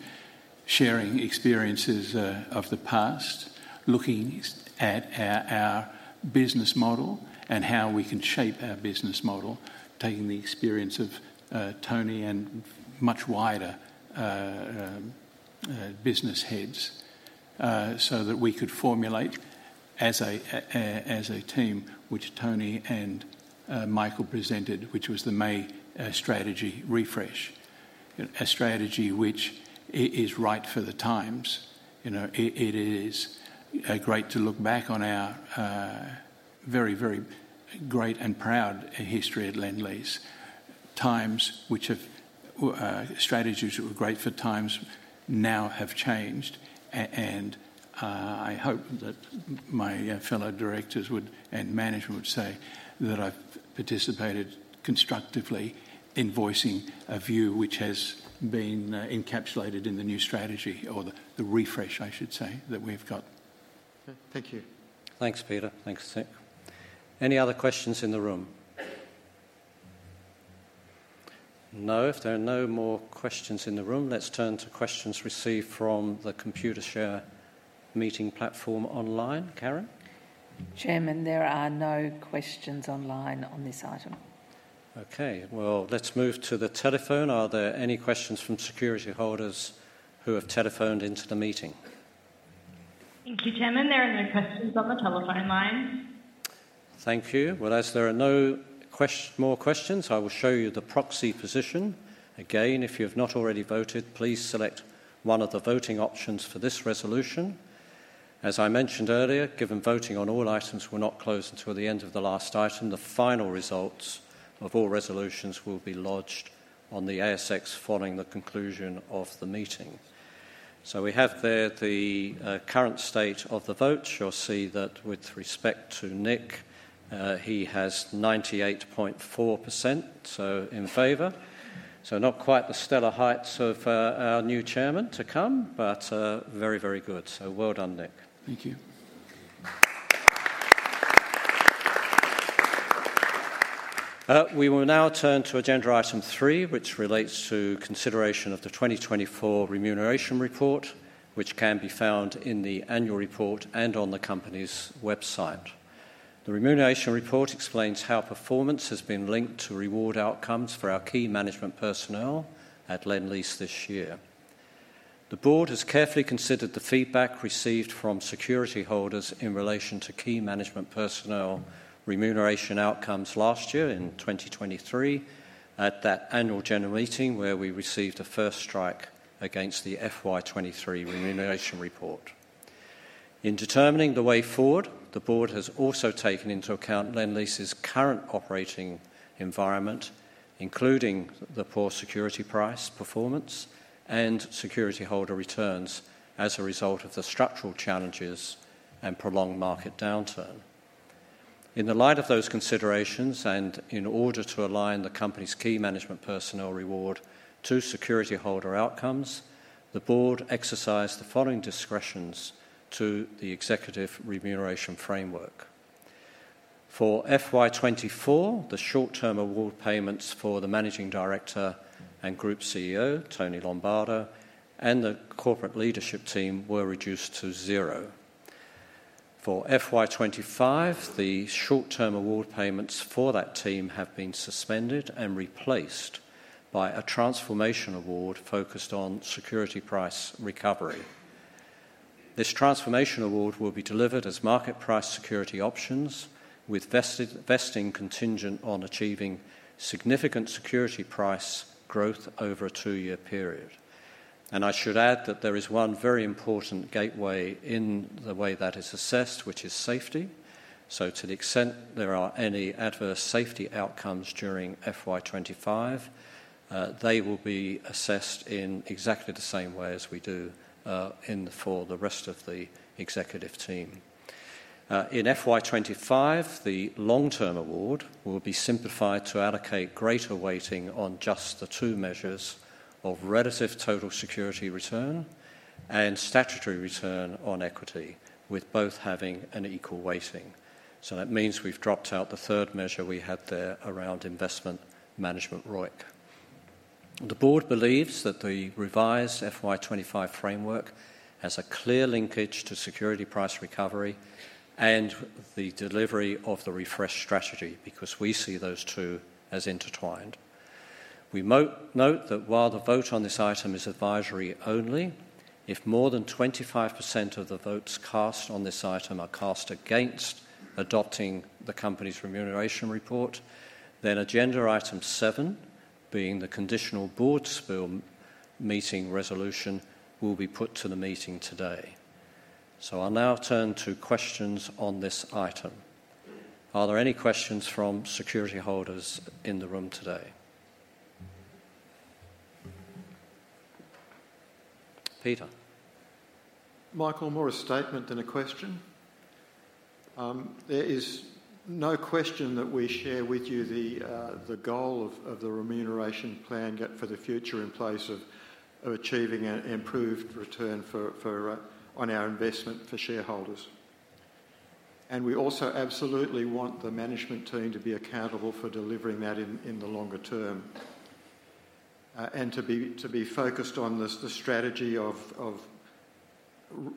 sharing experiences of the past, looking at our business model and how we can shape our business model, taking the experience of Tony and much wider business heads so that we could formulate as a team which Tony and Michael presented, which was the May strategy refresh, a strategy which is right for the times. It is great to look back on our very, very great and proud history at Lendlease. Times which have strategies that were great for times now have changed, and I hope that my fellow directors and management would say that I've participated constructively in voicing a view which has been encapsulated in the new strategy or the refresh, I should say, that we've got. Thank you. Thanks, Peter. Thanks, Seth. Any other questions in the room? No. If there are no more questions in the room, let's turn to questions received from the Computershare meeting platform online. Karen? Chairman, there are no questions online on this item. Okay. Well, let's move to the telephone. Are there any questions from security holders who have telephoned into the meeting? Thank you, Chairman. There are no questions on the telephone line. Thank you. Well, as there are no more questions, I will show you the proxy position. Again, if you have not already voted, please select one of the voting options for this resolution. As I mentioned earlier, given voting on all items will not close until the end of the last item, the final results of all resolutions will be lodged on the ASX following the conclusion of the meeting. So we have there the current state of the vote. You'll see that with respect to Nick, he has 98.4%, so in favor. So not quite the stellar heights of our new chairman to come, but very, very good. So well done, Nick. Thank you. We will now turn to agenda item 3, which relates to consideration of the 2024 remuneration report, which can be found in the annual report and on the company's website. The remuneration report explains how performance has been linked to reward outcomes for our key management personnel at Lendlease this year. The board has carefully considered the feedback received from security holders in relation to key management personnel remuneration outcomes last year in 2023 at that annual general meeting where we received a first strike against the FY23 remuneration report. In determining the way forward, the board has also taken into account Lendlease's current operating environment, including the poor security price performance and security holder returns as a result of the structural challenges and prolonged market downturn. In the light of those considerations and in order to align the company's key management personnel reward to securityholder outcomes, the board exercised the following discretions to the executive remuneration framework. For FY24, the short-term award payments for the Managing Director and Group CEO, Tony Lombardo, and the corporate leadership team were reduced to zero. For FY25, the short-term award payments for that team have been suspended and replaced by a Transformation Award focused on security price recovery. This Transformation Award will be delivered as market price security options with vesting contingent on achieving significant security price growth over a two-year period, and I should add that there is one very important gateway in the way that it's assessed, which is safety. So to the extent there are any adverse safety outcomes during FY25, they will be assessed in exactly the same way as we do for the rest of the executive team. In FY25, the long-term award will be simplified to allocate greater weighting on just the two measures of relative total security return and statutory return on equity, with both having an equal weighting. So that means we've dropped out the third measure we had there around investment management ROIC. The board believes that the revised FY25 framework has a clear linkage to security price recovery and the delivery of the refresh strategy because we see those two as intertwined. We note that while the vote on this item is advisory only, if more than 25% of the votes cast on this item are cast against adopting the company's remuneration report, then agenda item 7, being the conditional board spill meeting resolution, will be put to the meeting today. So I'll now turn to questions on this item. Are there any questions from security holders in the room today? Peter. Michael, more a statement than a question. There is no question that we share with you the goal of the remuneration plan for the future in place of achieving an improved return on our investment for shareholders. And we also absolutely want the management team to be accountable for delivering that in the longer term and to be focused on the strategy of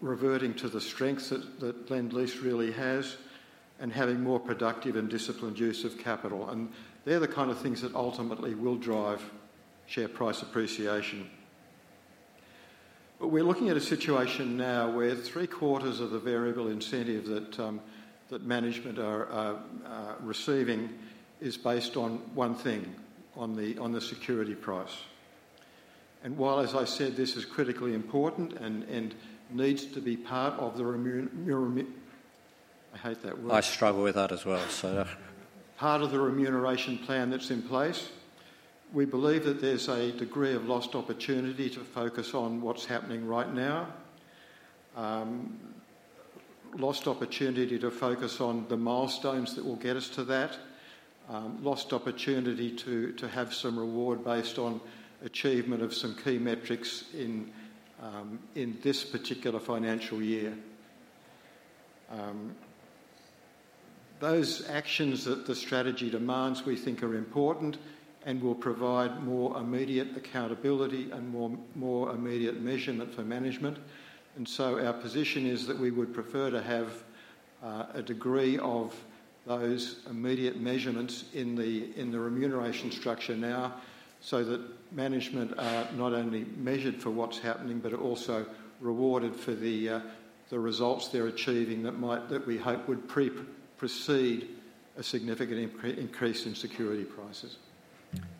reverting to the strengths that Lendlease really has and having more productive and disciplined use of capital. And they're the kind of things that ultimately will drive share price appreciation. But we're looking at a situation now where three-quarters of the variable incentive that management are receiving is based on one thing, on the security price. And while, as I said, this is critically important and needs to be part of the remuneration, I hate that word. I struggle with that as well. Part of the remuneration plan that's in place. We believe that there's a degree of lost opportunity to focus on what's happening right now, lost opportunity to focus on the milestones that will get us to that, lost opportunity to have some reward based on achievement of some key metrics in this particular financial year. Those actions that the strategy demands we think are important and will provide more immediate accountability and more immediate measurement for management. And so our position is that we would prefer to have a degree of those immediate measurements in the remuneration structure now so that management are not only measured for what's happening, but are also rewarded for the results they're achieving that we hope would precede a significant increase in security prices.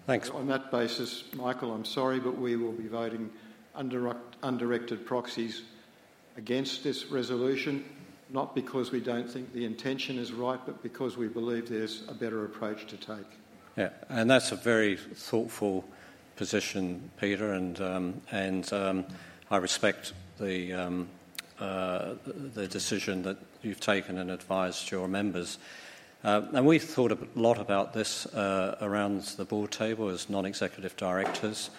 Thanks. On that basis, Michael, I'm sorry, but we will be voting under undirected proxies against this resolution, not because we don't think the intention is right, but because we believe there's a better approach to take. Yeah. And that's a very thoughtful position, Peter. And I respect the decision that you've taken and advised your members. And we've thought a lot about this around the board table as non-executive directors.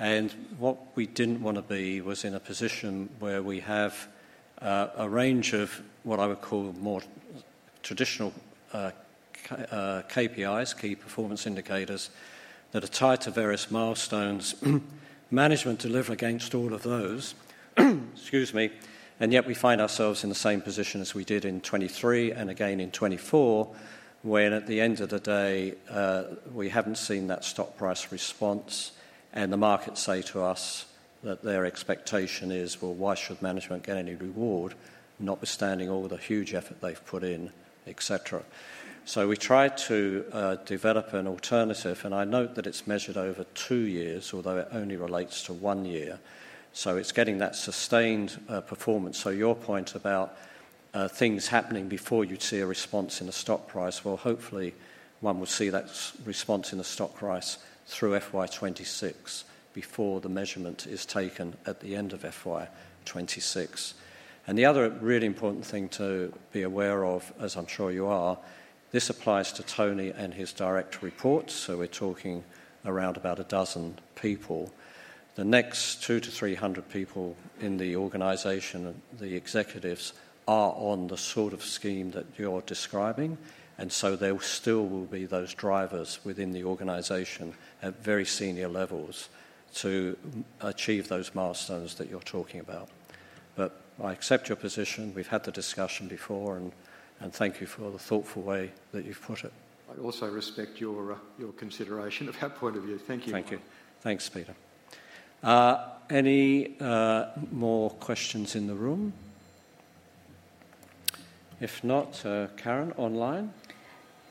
And what we didn't want to be was in a position where we have a range of what I would call more traditional KPIs, key performance indicators, that are tied to various milestones. Management delivered against all of those, excuse me, and yet we find ourselves in the same position as we did in 2023 and again in 2024, when at the end of the day, we haven't seen that stock price response. And the markets say to us that their expectation is, "Well, why should management get any reward notwithstanding all the huge effort they've put in, etc.?" So we tried to develop an alternative. I note that it's measured over two years, although it only relates to one year. It's getting that sustained performance. Your point about things happening before you'd see a response in the stock price, well, hopefully, one will see that response in the stock price through FY26 before the measurement is taken at the end of FY26. The other really important thing to be aware of, as I'm sure you are, this applies to Tony and his direct reports. We're talking around about a dozen people. The next 200 to 300 people in the organization, the executives, are on the sort of scheme that you're describing. There still will be those drivers within the organization at very senior levels to achieve those milestones that you're talking about. I accept your position. We've had the discussion before. Thank you for the thoughtful way that you've put it. I also respect your consideration of our point of view. Thank you. Thank you. Thanks, Peter. Any more questions in the room? If not, Karen online.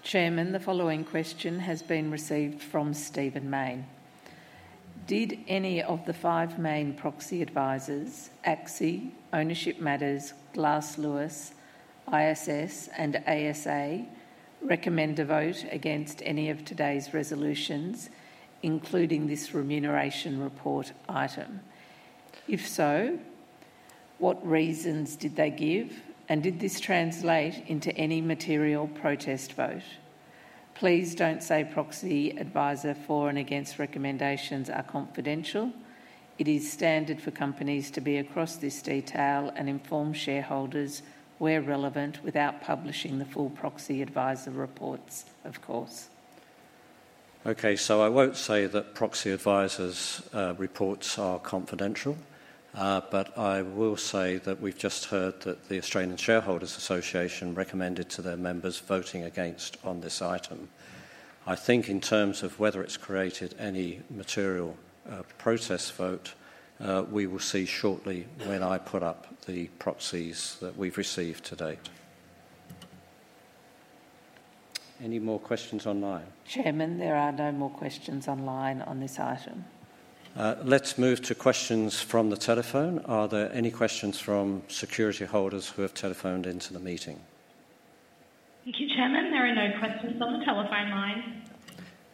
Chairman, the following question has been received from Stephen Mayne. Did any of the five main proxy advisors, ACSI, Ownership Matters, Glass Lewis, ISS, and ASA recommend a vote against any of today's resolutions, including this remuneration report item? If so, what reasons did they give? And did this translate into any material protest vote? Please don't say proxy advisor for and against recommendations are confidential. It is standard for companies to be across this detail and inform shareholders where relevant without publishing the full proxy advisor reports, of course. Okay, so I won't say that proxy advisors' reports are confidential, but I will say that we've just heard that the Australian Shareholders' Association recommended to their members voting against on this item. I think in terms of whether it's created any material protest vote, we will see shortly when I put up the proxies that we've received to date. Any more questions online? Chairman, there are no more questions online on this item. Let's move to questions from the telephone. Are there any questions from securityholders who have telephoned into the meeting? Thank you, Chairman. There are no questions on the telephone line.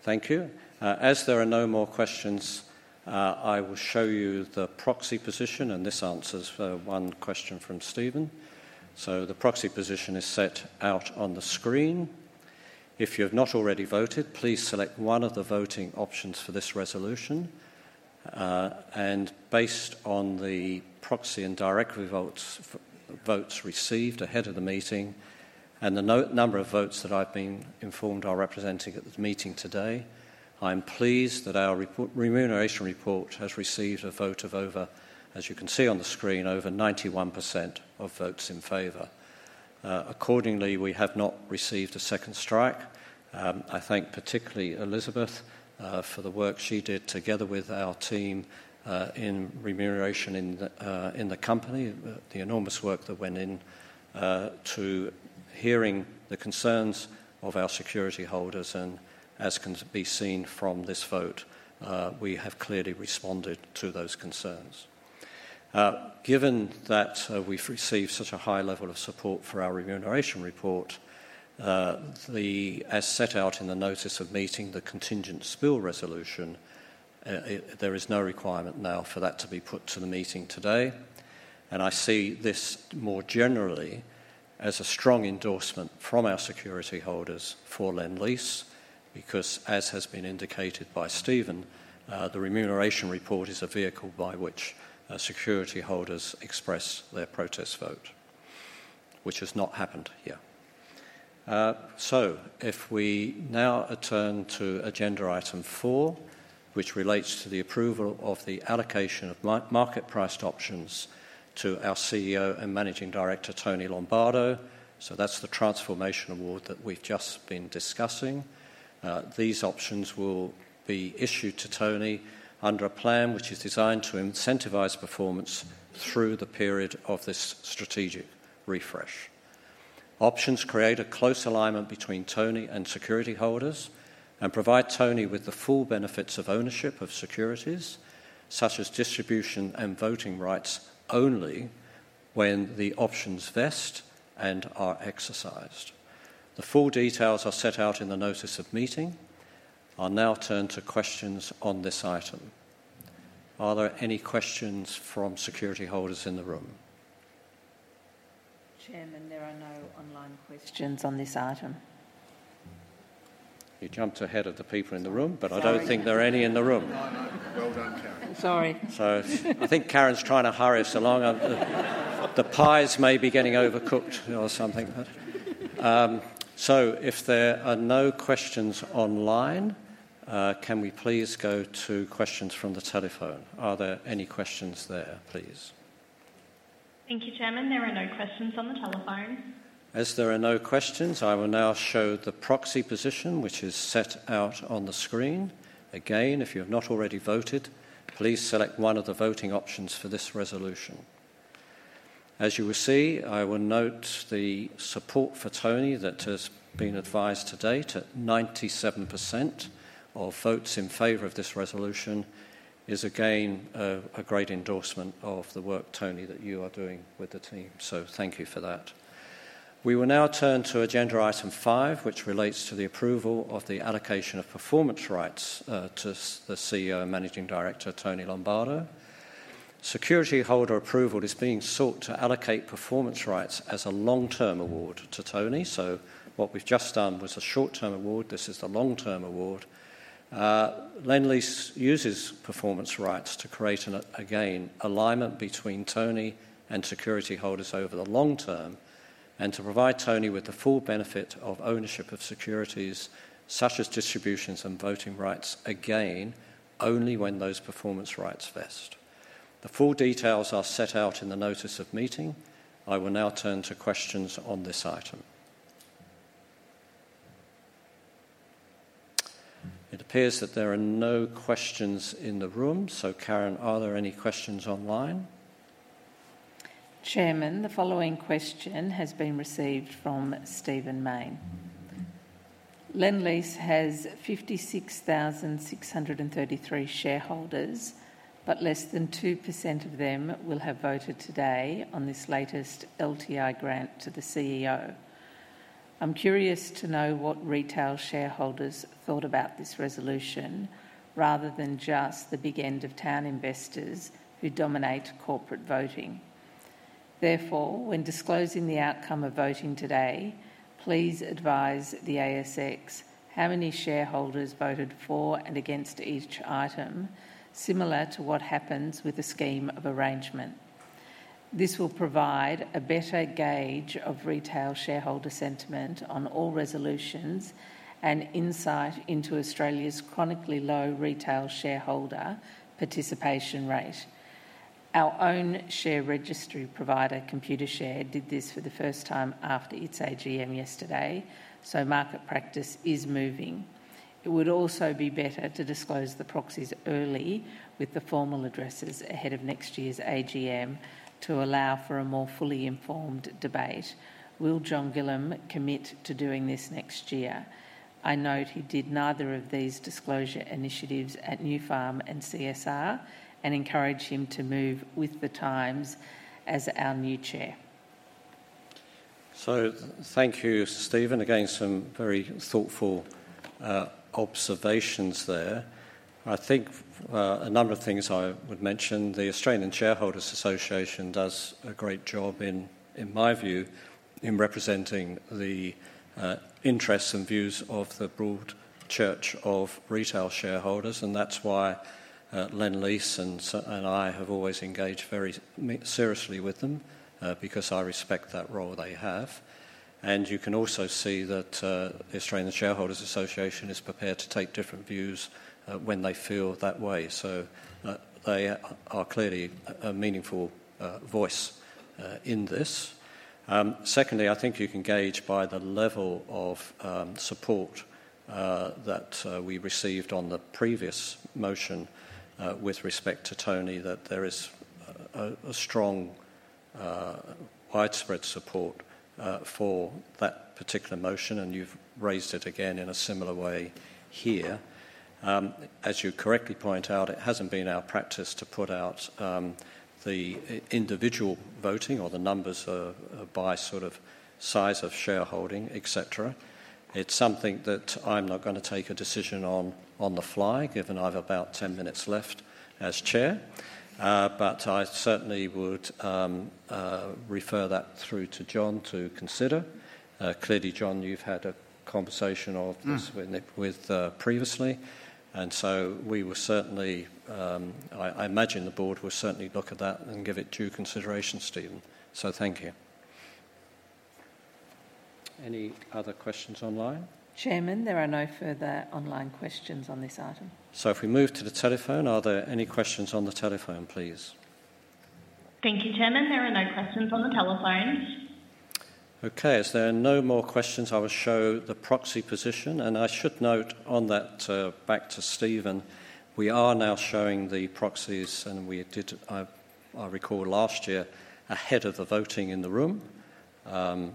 Thank you. As there are no more questions, I will show you the proxy position, and this answers one question from Stephen, so the proxy position is set out on the screen. If you have not already voted, please select one of the voting options for this resolution, and based on the proxy and direct votes received ahead of the meeting and the number of votes that I've been informed are representing at the meeting today, I'm pleased that our remuneration report has received a vote of over, as you can see on the screen, over 91% of votes in favor. Accordingly, we have not received a second strike. I thank particularly Elizabeth for the work she did together with our team in remuneration in the company, the enormous work that went into hearing the concerns of our security holders. As can be seen from this vote, we have clearly responded to those concerns. Given that we've received such a high level of support for our remuneration report, as set out in the notice of meeting, the contingent spill resolution, there is no requirement now for that to be put to the meeting today. I see this more generally as a strong endorsement from our security holders for Lendlease because, as has been indicated by Stephen, the remuneration report is a vehicle by which security holders express their protest vote, which has not happened here. If we now turn to agenda item 4, which relates to the approval of the allocation of market priced options to our CEO and Managing Director, Tony Lombardo. That's the Transformation Award that we've just been discussing. These options will be issued to Tony under a plan which is designed to incentivize performance through the period of this strategic refresh. Options create a close alignment between Tony and security holders and provide Tony with the full benefits of ownership of securities, such as distribution and voting rights only when the options vest and are exercised. The full details are set out in the notice of meeting. I'll now turn to questions on this item. Are there any questions from security holders in the room? Chairman, there are no online questions on this item. You jumped ahead of the people in the room, but I don't think there are any in the room. No, no. Well done, Karen. Sorry. Sorry. I think Karen's trying to hurry us along. The pies may be getting overcooked or something. So if there are no questions online, can we please go to questions from the telephone? Are there any questions there, please? Thank you, Chairman. There are no questions on the telephone. As there are no questions, I will now show the proxy position, which is set out on the screen. Again, if you have not already voted, please select one of the voting options for this resolution. As you will see, I will note the support for Tony that has been advised to date at 97% of votes in favor of this resolution, is again a great endorsement of the work, Tony, that you are doing with the team. So thank you for that. We will now turn to agenda item 5, which relates to the approval of the allocation of performance rights to the CEO and Managing Director, Tony Lombardo. Securityholder approval is being sought to allocate performance rights as a long-term award to Tony. So what we've just done was a short-term award. This is the long-term award. Lendlease uses performance rights to create, again, alignment between Tony and security holders over the long term and to provide Tony with the full benefit of ownership of securities, such as distributions and voting rights, again, only when those performance rights vest. The full details are set out in the notice of meeting. I will now turn to questions on this item. It appears that there are no questions in the room. So, Karen, are there any questions online? Chairman, the following question has been received from Stephen Mayne. Lendlease has 56,633 shareholders, but less than 2% of them will have voted today on this latest LTI grant to the CEO. I'm curious to know what retail shareholders thought about this resolution rather than just the big end of town investors who dominate corporate voting. Therefore, when disclosing the outcome of voting today, please advise the ASX how many shareholders voted for and against each item, similar to what happens with the scheme of arrangement. This will provide a better gauge of retail shareholder sentiment on all resolutions and insight into Australia's chronically low retail shareholder participation rate. Our own share registry provider, Computershare, did this for the first time after its AGM yesterday. So market practice is moving. It would also be better to disclose the proxies early with the formal addresses ahead of next year's AGM to allow for a more fully informed debate. Will John Gillam commit to doing this next year? I note he did neither of these disclosure initiatives at Nufarm and CSR and encouraged him to move with the times as our new chair. So thank you, Stephen. Again, some very thoughtful observations there. I think a number of things I would mention. The Australian Shareholders' Association does a great job, in my view, in representing the interests and views of the broad church of retail shareholders. And that's why Lendlease and I have always engaged very seriously with them because I respect that role they have. And you can also see that the Australian Shareholders' Association is prepared to take different views when they feel that way. So they are clearly a meaningful voice in this. Secondly, I think you can gauge by the level of support that we received on the previous motion with respect to Tony that there is a strong, widespread support for that particular motion. And you've raised it again in a similar way here. As you correctly point out, it hasn't been our practice to put out the individual voting or the numbers by sort of size of shareholding, etc. It's something that I'm not going to take a decision on the fly, given I have about 10 minutes left as chair. But I certainly would refer that through to John to consider. Clearly, John, you've had a conversation of this with previously. And so we will certainly, I imagine the board will certainly look at that and give it due consideration, Stephen. So thank you. Any other questions online? Chairman, there are no further online questions on this item. So if we move to the telephone, are there any questions on the telephone, please? Thank you, Chairman. There are no questions on the telephone. Okay. As there are no more questions, I will show the proxy position. And I should note on that back to Stephen, we are now showing the proxies. And we did, I recall, last year ahead of the voting in the room.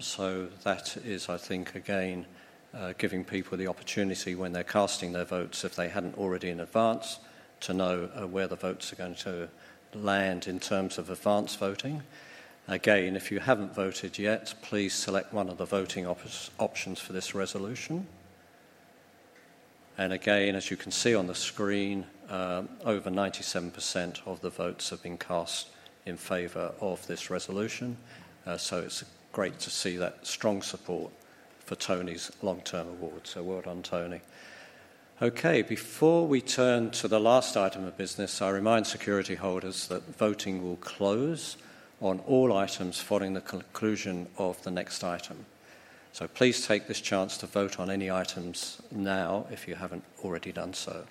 So that is, I think, again, giving people the opportunity when they're casting their votes, if they hadn't already in advance, to know where the votes are going to land in terms of advance voting. Again, if you haven't voted yet, please select one of the voting options for this resolution. And again, as you can see on the screen, over 97% of the votes have been cast in favor of this resolution. So it's great to see that strong support for Tony's long-term award. So well done, Tony. Okay. Before we turn to the last item of business, I remind security holders that voting will close on all items following the conclusion of the next item. So please take this chance to vote on any items now if you haven't already done so.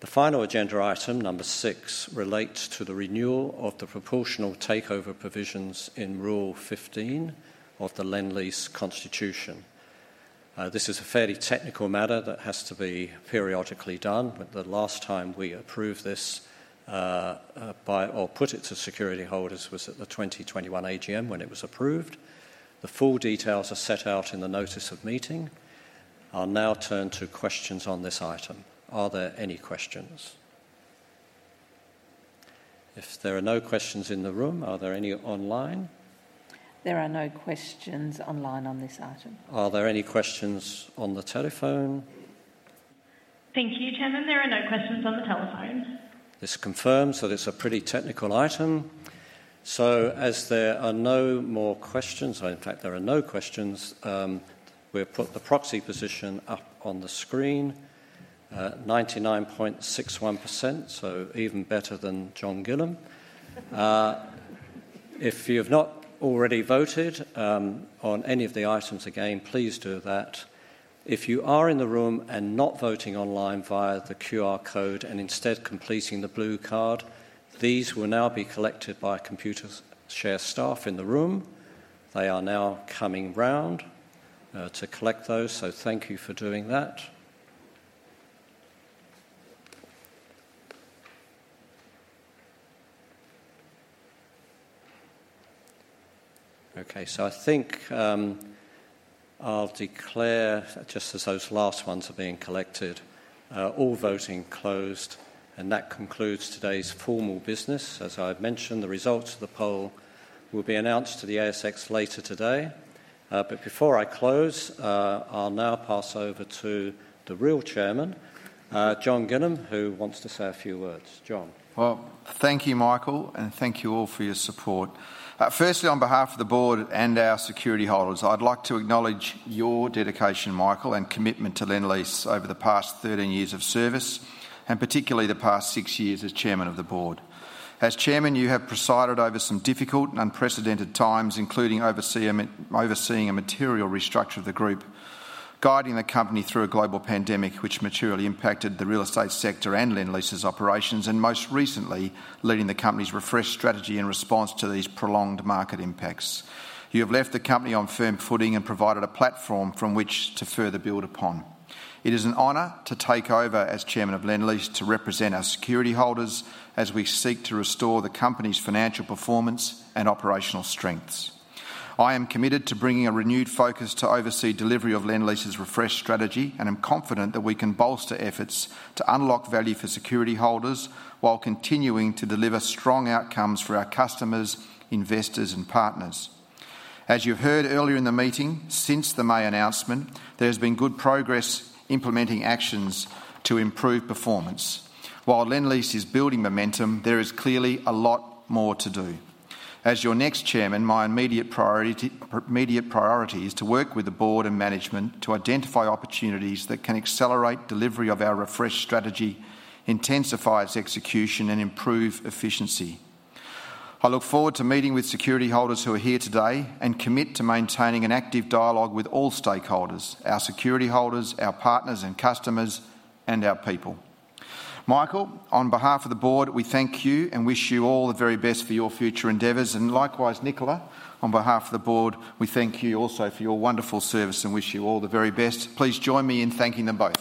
The final agenda item, number 6, relates to the renewal of the proportional takeover provisions in Rule 15 of the Lendlease Constitution. This is a fairly technical matter that has to be periodically done. The last time we approved this or put it to security holders was at the 2021 AGM when it was approved. The full details are set out in the notice of meeting. I'll now turn to questions on this item. Are there any questions? If there are no questions in the room, are there any online? There are no questions online on this item. Are there any questions on the telephone? Thank you, Chairman. There are no questions on the telephone. This confirms that it's a pretty technical item, so as there are no more questions, or in fact, there are no questions, we'll put the proxy position up on the screen, 99.61%, so even better than John Gillam. If you have not already voted on any of the items, again, please do that. If you are in the room and not voting online via the QR code and instead completing the blue card, these will now be collected by Computershare staff in the room. They are now coming around to collect those, so thank you for doing that. Okay, so I think I'll declare, just as those last ones are being collected, all voting closed, and that concludes today's formal business. As I've mentioned, the results of the poll will be announced to the ASX later today. But before I close, I'll now pass over to the real Chairman, John Gillam, who wants to say a few words. John. Thank you, Michael. Thank you all for your support. Firstly, on behalf of the board and our security holders, I'd like to acknowledge your dedication, Michael, and commitment to Lendlease over the past 13 years of service, and particularly the past six years as Chairman of the board. As Chairman, you have presided over some difficult and unprecedented times, including overseeing a material restructure of the group, guiding the company through a global pandemic which materially impacted the real estate sector and Lendlease's operations, and most recently, leading the company's refreshed strategy in response to these prolonged market impacts. You have left the company on firm footing and provided a platform from which to further build upon. It is an honor to take over as Chairman of Lendlease to represent our security holders as we seek to restore the company's financial performance and operational strengths. I am committed to bringing a renewed focus to oversee delivery of Lendlease's refreshed strategy and am confident that we can bolster efforts to unlock value for security holders while continuing to deliver strong outcomes for our customers, investors, and partners. As you heard earlier in the meeting, since the May announcement, there has been good progress implementing actions to improve performance. While Lendlease is building momentum, there is clearly a lot more to do. As your next Chairman, my immediate priority is to work with the board and management to identify opportunities that can accelerate delivery of our refreshed strategy, intensify its execution, and improve efficiency. I look forward to meeting with security holders who are here today and commit to maintaining an active dialogue with all stakeholders: our security holders, our partners and customers, and our people. Michael, on behalf of the board, we thank you and wish you all the very best for your future endeavors. And likewise, Nicola, on behalf of the board, we thank you also for your wonderful service and wish you all the very best. Please join me in thanking them both.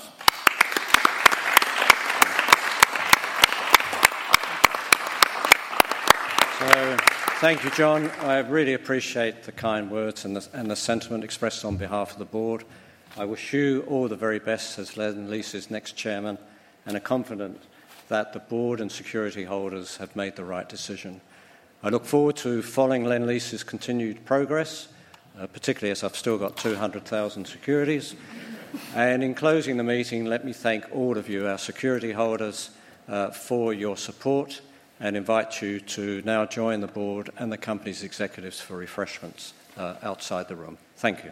So thank you, John. I really appreciate the kind words and the sentiment expressed on behalf of the board. I wish you all the very best as Lendlease's next Chairman and am confident that the board and security holders have made the right decision. I look forward to following Lendlease's continued progress, particularly as I've still got 200,000 securities. And in closing the meeting, let me thank all of you, our security holders, for your support and invite you to now join the board and the company's executives for refreshments outside the room. Thank you.